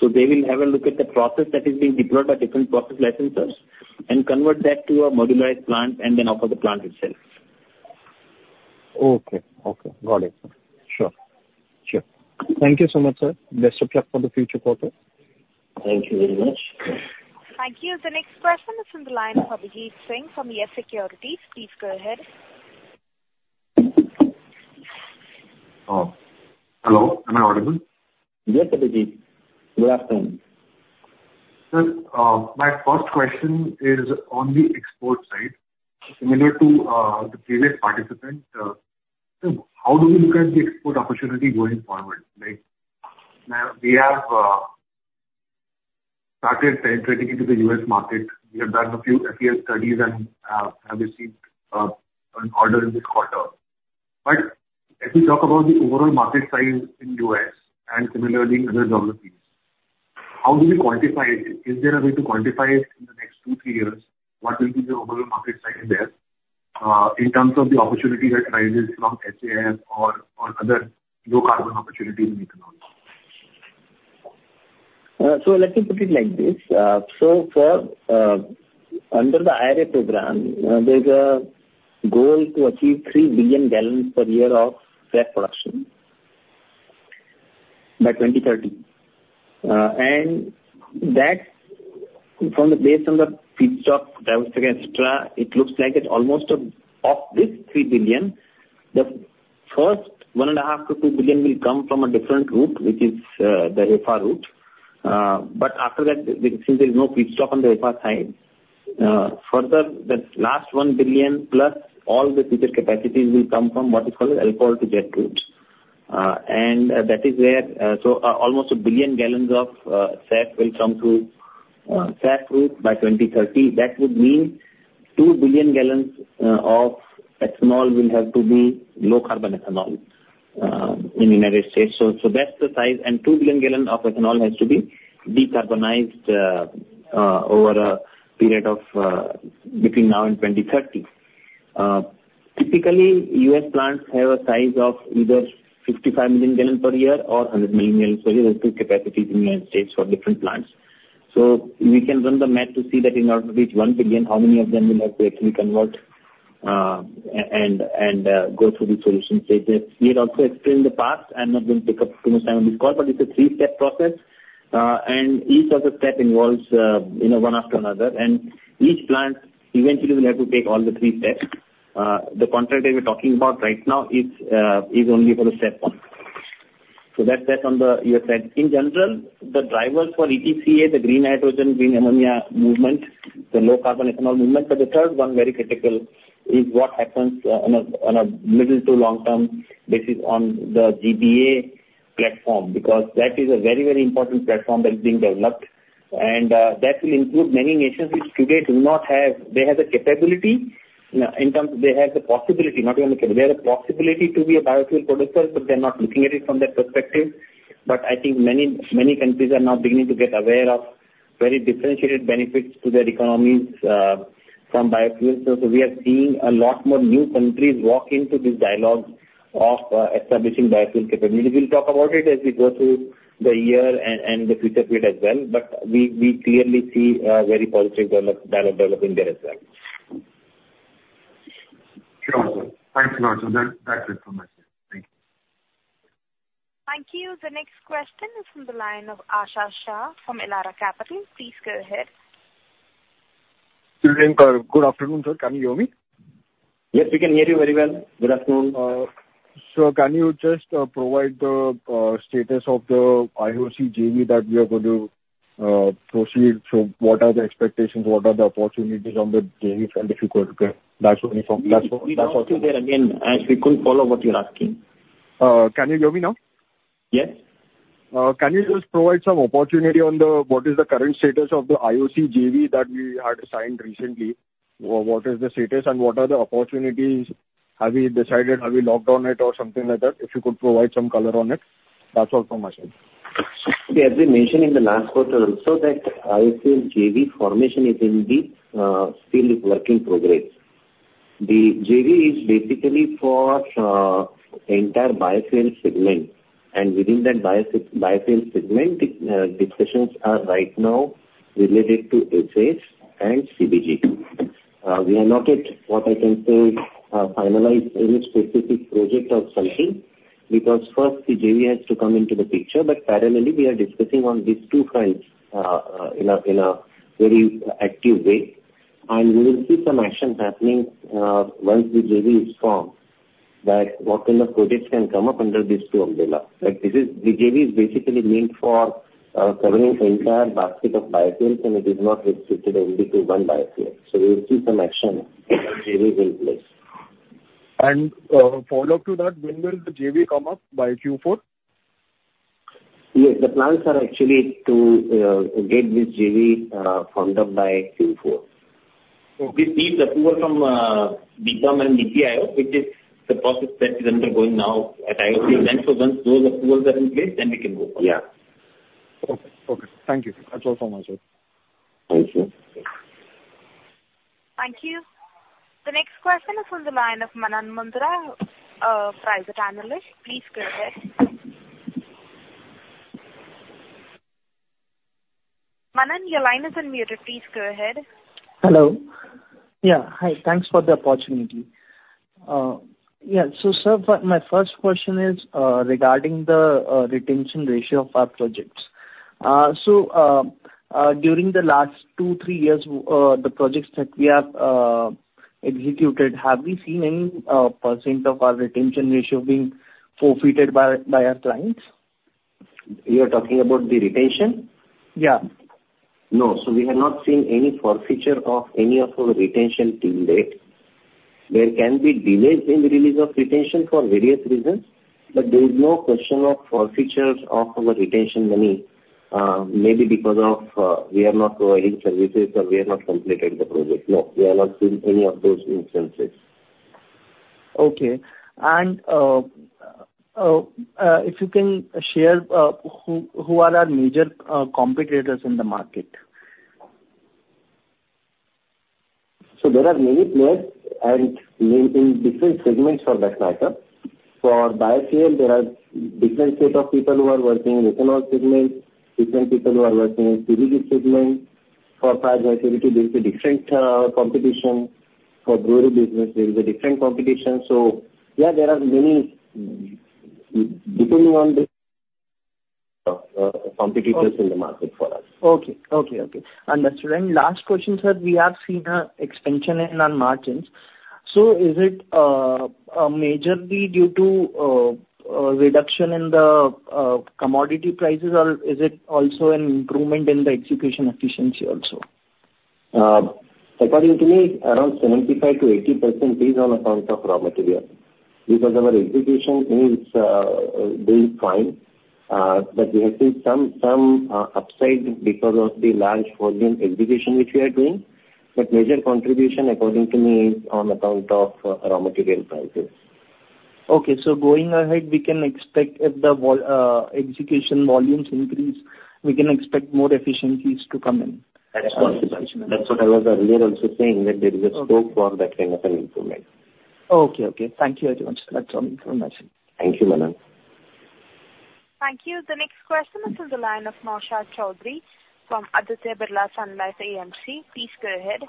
So they will have a look at the process that is being deployed by different process licensors and convert that to a modularized plant, and then offer the plant itself. Okay. Okay. Got it, sir. Sure. Sure. Thank you so much, sir. Best of luck for the future quarter. Thank you very much. Thank you. The next question is on the line of Abhijeet Singh from Yes Securities. Please go ahead. Hello, am I audible? Yes, Abhijeet. Good afternoon. Sir, my first question is on the export side. Similar to the previous participant, so how do you look at the export opportunity going forward? Like, now, we have started penetrating into the U.S. market. We have done a few FEL studies and have received an order in this quarter. But as we talk about the overall market size in U.S. and similarly in other geographies, how do you quantify it? Is there a way to quantify it in the next 2-3 years? What will be the overall market size there in terms of the opportunity that arises from SAF or other low-carbon opportunities in the economy? So let me put it like this. So for under the IRA program, there's a goal to achieve 3 billion gallons per year of SAF production by 2030. And that, based on the feedstock, dynamics, etc., it looks like it's almost of this 3 billion, the first 1.5-2 billion will come from a different route, which is the HEFA route. But after that, since there is no feedstock on the HEFA side, further, that last 1 billion+ all the future capacities will come from what is called alcohol-to-jet route. And that is where, so almost 1 billion gallons of SAF will come through SAF route by 2030. That would mean 2 billion gallons of ethanol will have to be low carbon ethanol in the United States. So that's the size, and 2 billion gallon of ethanol has to be decarbonized over a period of between now and 2030. Typically, U.S. plants have a size of either 55 million gallon per year or 100 million gallons per year, the two capacities in the United States for different plants. So we can run the math to see that in order to reach 1 billion, how many of them will have to actually convert, and go through the solution stages. We had also explained the past. I'm not going to take up too much time on this call, but it's a three-step process, and each of the step involves, you know, one after another, and each plant eventually will have to take all the three steps. The contract that we're talking about right now is, is only for the step one. So that's that on the U.S. side. In general, the drivers for ETCA, the green hydrogen, green ammonia movement, the low carbon ethanol movement, but the third one, very critical, is what happens on a middle to long-term basis on the GBA platform, because that is a very, very important platform that is being developed. And that will include many nations which today do not have... They have the capability, they have a possibility to be a biofuel producer, but they're not looking at it from that perspective. But I think many, many countries are now beginning to get aware of very differentiated benefits to their economies from biofuels. So, so we are seeing a lot more new countries walk into these dialogues of establishing biofuel capability. We'll talk about it as we go through the year and the future period as well, but we clearly see a very positive dialogue developing there as well. Sure. Thanks a lot, sir. That, that's it from my side. Thank you. Thank you. The next question is from the line of Yash Shah from Elara Capital. Please go ahead. Good afternoon, sir. Can you hear me? Yes, we can hear you very well. Good afternoon. So can you just provide the status of the IOCL JV that we are going to proceed? So what are the expectations, what are the opportunities on the JV, and if you could, that's only from, that's all- We couldn't follow what you're asking. Can you hear me now? Yes. Can you just provide some opportunity on the what is the current status of the IOC JV that we had signed recently? What is the status and what are the opportunities? Have you decided, have you locked on it or something like that? If you could provide some color on it. That's all from my side. As we mentioned in the last quarter also, that IOC JV formation is in the still working progress. The JV is basically for entire biofuel segment, and within that biofuel segment, discussions are right now related to SAF and CBG. We are not yet, what I can say, finalized any specific project or something, because first the JV has to come into the picture, but parallelly, we are discussing on these two fronts, in a very active way. And we will see some action happening, once the JV is formed, that what kind of projects can come up under this two umbrella. Like, this is... The JV is basically meant for covering the entire basket of biofuels, and it is not restricted only to one biofuel. So we'll see some action when the JV is in place. Follow-up to that, when will the JV come up? By Q4? Yes, the plans are actually to get this JV formed up by Q4. We seek the approval from DIPAM and NITI Aayog, which is the process that is undergoing now at IOC. Okay. Once those approvals are in place, then we can go forward. Yeah. Okay. Okay. Thank you. That's all from my side. Thank you. Thank you. The next question is from the line of Manan Mundra, private analyst. Please go ahead. Manan, your line is unmuted. Please go ahead. Hello. Yeah, hi. Thanks for the opportunity. Yeah, so sir, my, my first question is, regarding the retention ratio of our projects. So, during the last 2, 3 years, the projects that we have executed, have we seen any % of our retention ratio being forfeited by, by our clients? You are talking about the retention? Yeah. No. So we have not seen any forfeiture of any of our retention till date. There can be delays in the release of retention for various reasons, but there is no question of forfeitures of our retention money, maybe because of, we are not providing services or we have not completed the project. No, we have not seen any of those instances. Okay. If you can share, who are our major competitors in the market? So there are many players in different segments of the sector. For biofuel, there are different set of people who are working in ethanol segment, different people who are working in CBG segment. For bio-CO2, there's a different competition. For brewery business, there is a different competition. So yeah, there are many, depending on the competitors in the market for us. Okay. Okay, okay. Understood. And last question, sir, we have seen an expansion in our margins. So is it majorly due to reduction in the commodity prices, or is it also an improvement in the execution efficiency also? According to me, around 75%-80% is on account of raw material, because our execution is doing fine. But we have seen some upside because of the large volume execution which we are doing. But major contribution, according to me, is on account of raw material prices. Okay. So going ahead, we can expect if the execution volumes increase, we can expect more efficiencies to come in? That's possible. That's what I was earlier also saying, that there is a scope for that kind of an improvement. Okay, okay. Thank you very much, sir. That's all from my side. Thank you, madam. Thank you. The next question is from the line of Naushad Chaudhary from Aditya Birla Sun Life AMC. Please go ahead.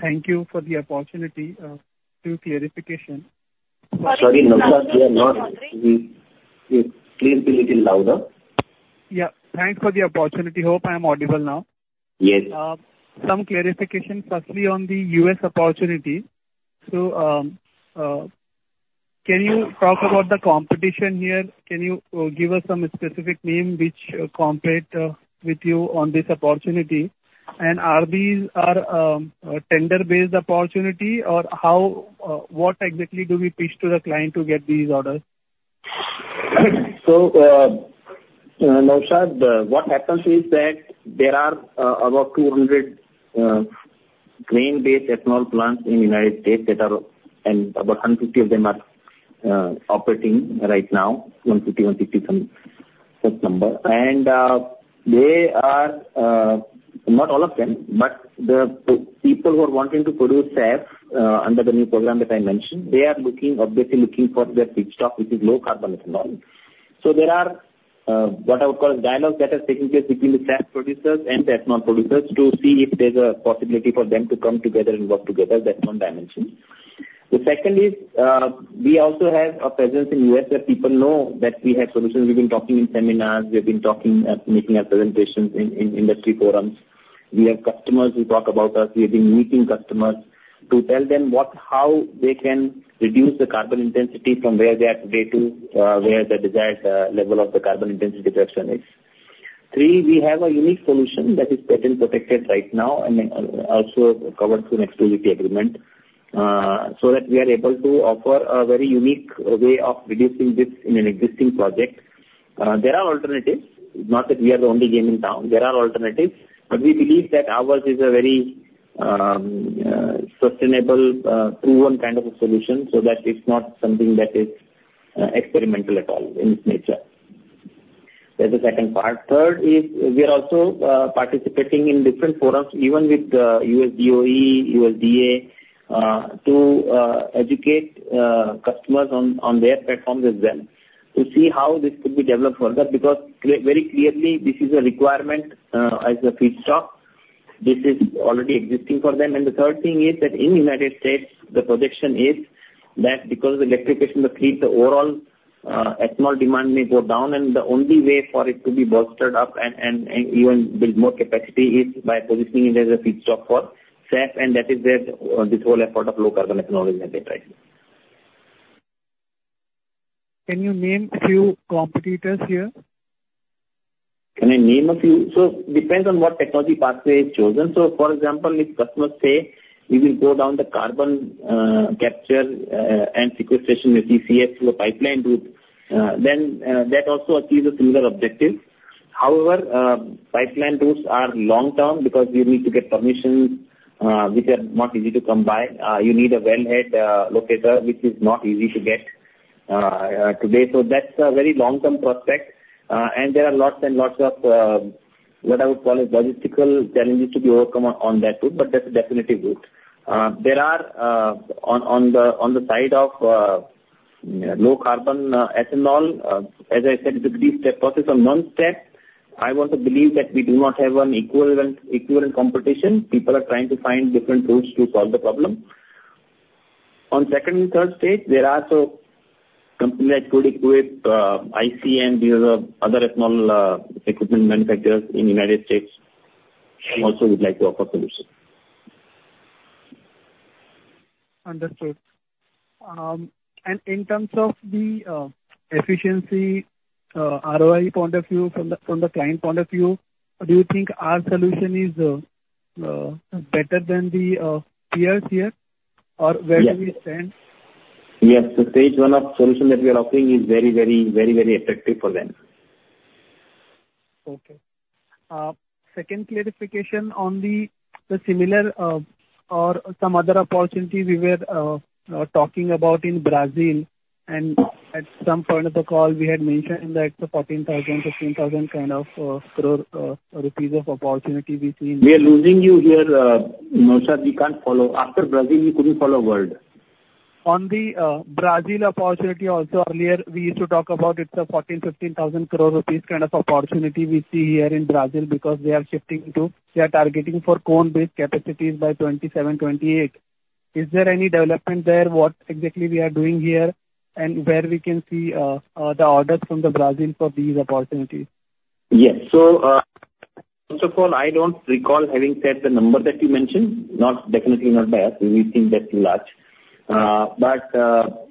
Thank you for the opportunity to clarification. Sorry, Naushad, we are not. Please, please speak little louder. Yeah. Thanks for the opportunity. Hope I am audible now. Yes. Some clarification, firstly, on the U.S. opportunity. So, can you talk about the competition here? Can you give us some specific name which compete with you on this opportunity? And are these tender-based opportunity, or how, what exactly do we pitch to the client to get these orders? So, Naushad, what happens is that there are about 200 grain-based ethanol plants in the United States that are... and about 150 of them are operating right now, 150, 150 some, some number. And they are not all of them, but the people who are wanting to produce SAF under the new program that I mentioned, they are looking, obviously looking for their feedstock, which is low carbon ethanol. So there are what I would call it, dialogues that are taking place between the SAF producers and the ethanol producers to see if there's a possibility for them to come together and work together. That's one dimension. The second is, we also have a presence in U.S., where people know that we have solutions. We've been talking in seminars, we've been talking, making our presentations in industry forums. We have customers who talk about us. We've been meeting customers to tell them what—how they can reduce the carbon intensity from where they are today to, where the desired, level of the carbon intensity reduction is. Three, we have a unique solution that is patent protected right now and, also covered through an exclusivity agreement, so that we are able to offer a very unique way of reducing this in an existing project. There are alternatives, not that we are the only game in town. There are alternatives, but we believe that ours is a very, sustainable, proven kind of a solution, so that it's not something that is, experimental at all in its nature. That's the second part. Third is, we are also participating in different forums, even with USDOE, USDA, to educate customers on their platforms with them, to see how this could be developed further, because very clearly, this is a requirement as a feedstock. This is already existing for them. And the third thing is that in United States, the projection is that because of electrification, the feed, the overall, ethanol demand may go down, and the only way for it to be bolstered up and even build more capacity is by positioning it as a feedstock for SAF, and that is where this whole effort of low carbon ethanol is made right now. Can you name a few competitors here? Can I name a few? So it depends on what technology pathway is chosen. So for example, if customers say we will go down the carbon capture and sequestration, CCS, through a pipeline route, then that also achieves a similar objective. However, pipeline routes are long-term because you need to get permissions, which are not easy to come by. You need a wellhead locator, which is not easy to get today. So that's a very long-term prospect. And there are lots and lots of what I would call logistical challenges to be overcome on that route, but that's definitely good. There are on the side of low-carbon ethanol, as I said, it's a three-step process or one step. I also believe that we do not have an equivalent, equivalent competition. People are trying to find different routes to solve the problem. On second and third stage, there are so companies like Fluid Quip, ICM, these are other ethanol, equipment manufacturers in the United States, also would like to offer solution. Understood. In terms of the efficiency, ROI point of view, from the client point of view, do you think our solution is better than the peers here? Or where do we stand? Yes. The stage one of solution that we are offering is very, very, very, very effective for them. Okay. Second clarification on the similar, or some other opportunity we were talking about in Brazil, and at some point of the call, we had mentioned like the 14,000-15,000 kind of crore rupees of opportunity we see- We are losing you here, Naushad, we can't follow. After Brazil, you couldn't follow world? ...On the Brazil opportunity also earlier, we used to talk about it's a 14,000 crore-15,000 crore rupees kind of opportunity we see here in Brazil, because they are shifting to-- they are targeting for corn-based capacities by 2027-2028. Is there any development there? What exactly we are doing here, and where we can see the orders from the Brazil for these opportunities? Yes. So, first of all, I don't recall having said the number that you mentioned, not, definitely not there. We think that's large. But,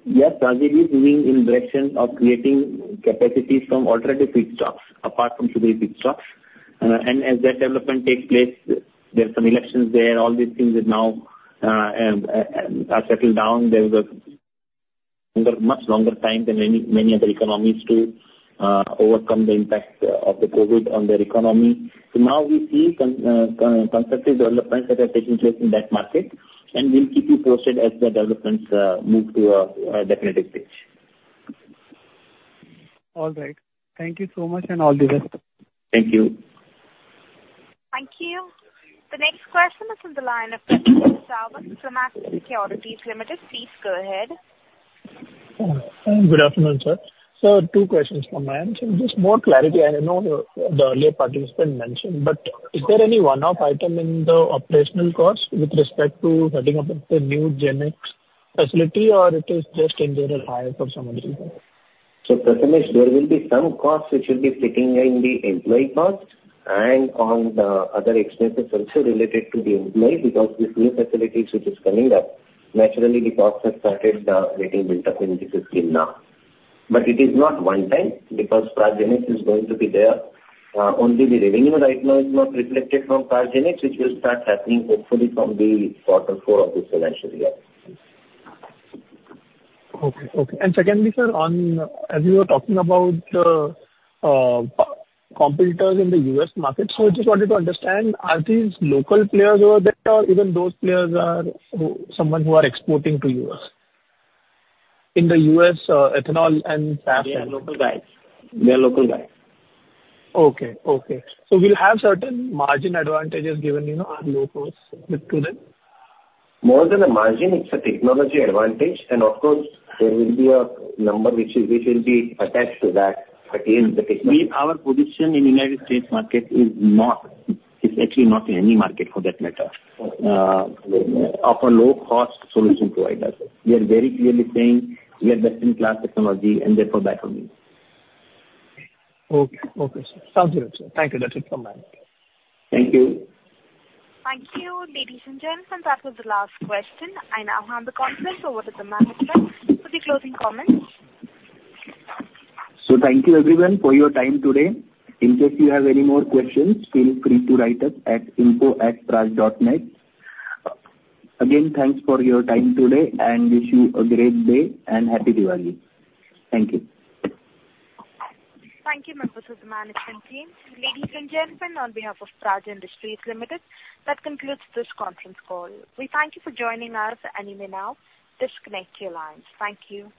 yes, Brazil is moving in direction of creating capacities from alternative feedstocks apart from sugar feedstocks. And as that development takes place, there are some elections there, all these things are now settled down. There's a much longer time than many, many other economies to overcome the impact of the COVID on their economy. So now we see some constructive developments that are taking place in that market, and we'll keep you posted as the developments move to a definitive stage. All right. Thank you so much, and all the best. Thank you. Thank you. The next question is from the line of Prathamesh Sawant from Axis Securities Limited. Please go ahead. Good afternoon, sir. Sir, two questions from my end. So just more clarity, I know the earlier participant mentioned, but is there any one-off item in the operational cost with respect to setting up a new GenX facility, or it is just in general hire for some reason? Prathamesh, there will be some costs which will be sitting in the employee cost and on the other expenses also related to the employee, because the new facilities which is coming up, naturally, the costs have started getting built up in the system now. But it is not one time, because Praj GenX is going to be there. Only the revenue right now is not reflected from Praj GenX, which will start happening hopefully from the quarter four of this financial year. Okay. Okay. And secondly, sir, on as you were talking about competitors in the U.S. market, so I just wanted to understand, are these local players over there or even those players are who, someone who are exporting to U.S.? In the U.S., ethanol and- They are local guys. They are local guys. Okay, okay. We'll have certain margin advantages given, you know, our low cost with to them? More than a margin, it's a technology advantage. Of course, there will be a number which will be attached to that, against the technology. We, our position in United States market is not, is actually not in any market for that matter, of a low-cost solution provider. We are very clearly saying we are best-in-class technology and therefore back on it. Okay. Okay, sir. Sounds good, sir. Thank you. That's it from my end. Thank you. Thank you, ladies and gentlemen, that was the last question. I now hand the conference over to the management for the closing comments. Thank you everyone for your time today. In case you have any more questions, feel free to write us at info@praj.net. Again, thanks for your time today, and wish you a great day and Happy Diwali. Thank you. Thank you, members of the management team. Ladies and gentlemen, on behalf of Praj Industries Limited, that concludes this conference call. We thank you for joining us, and you may now disconnect your lines. Thank you.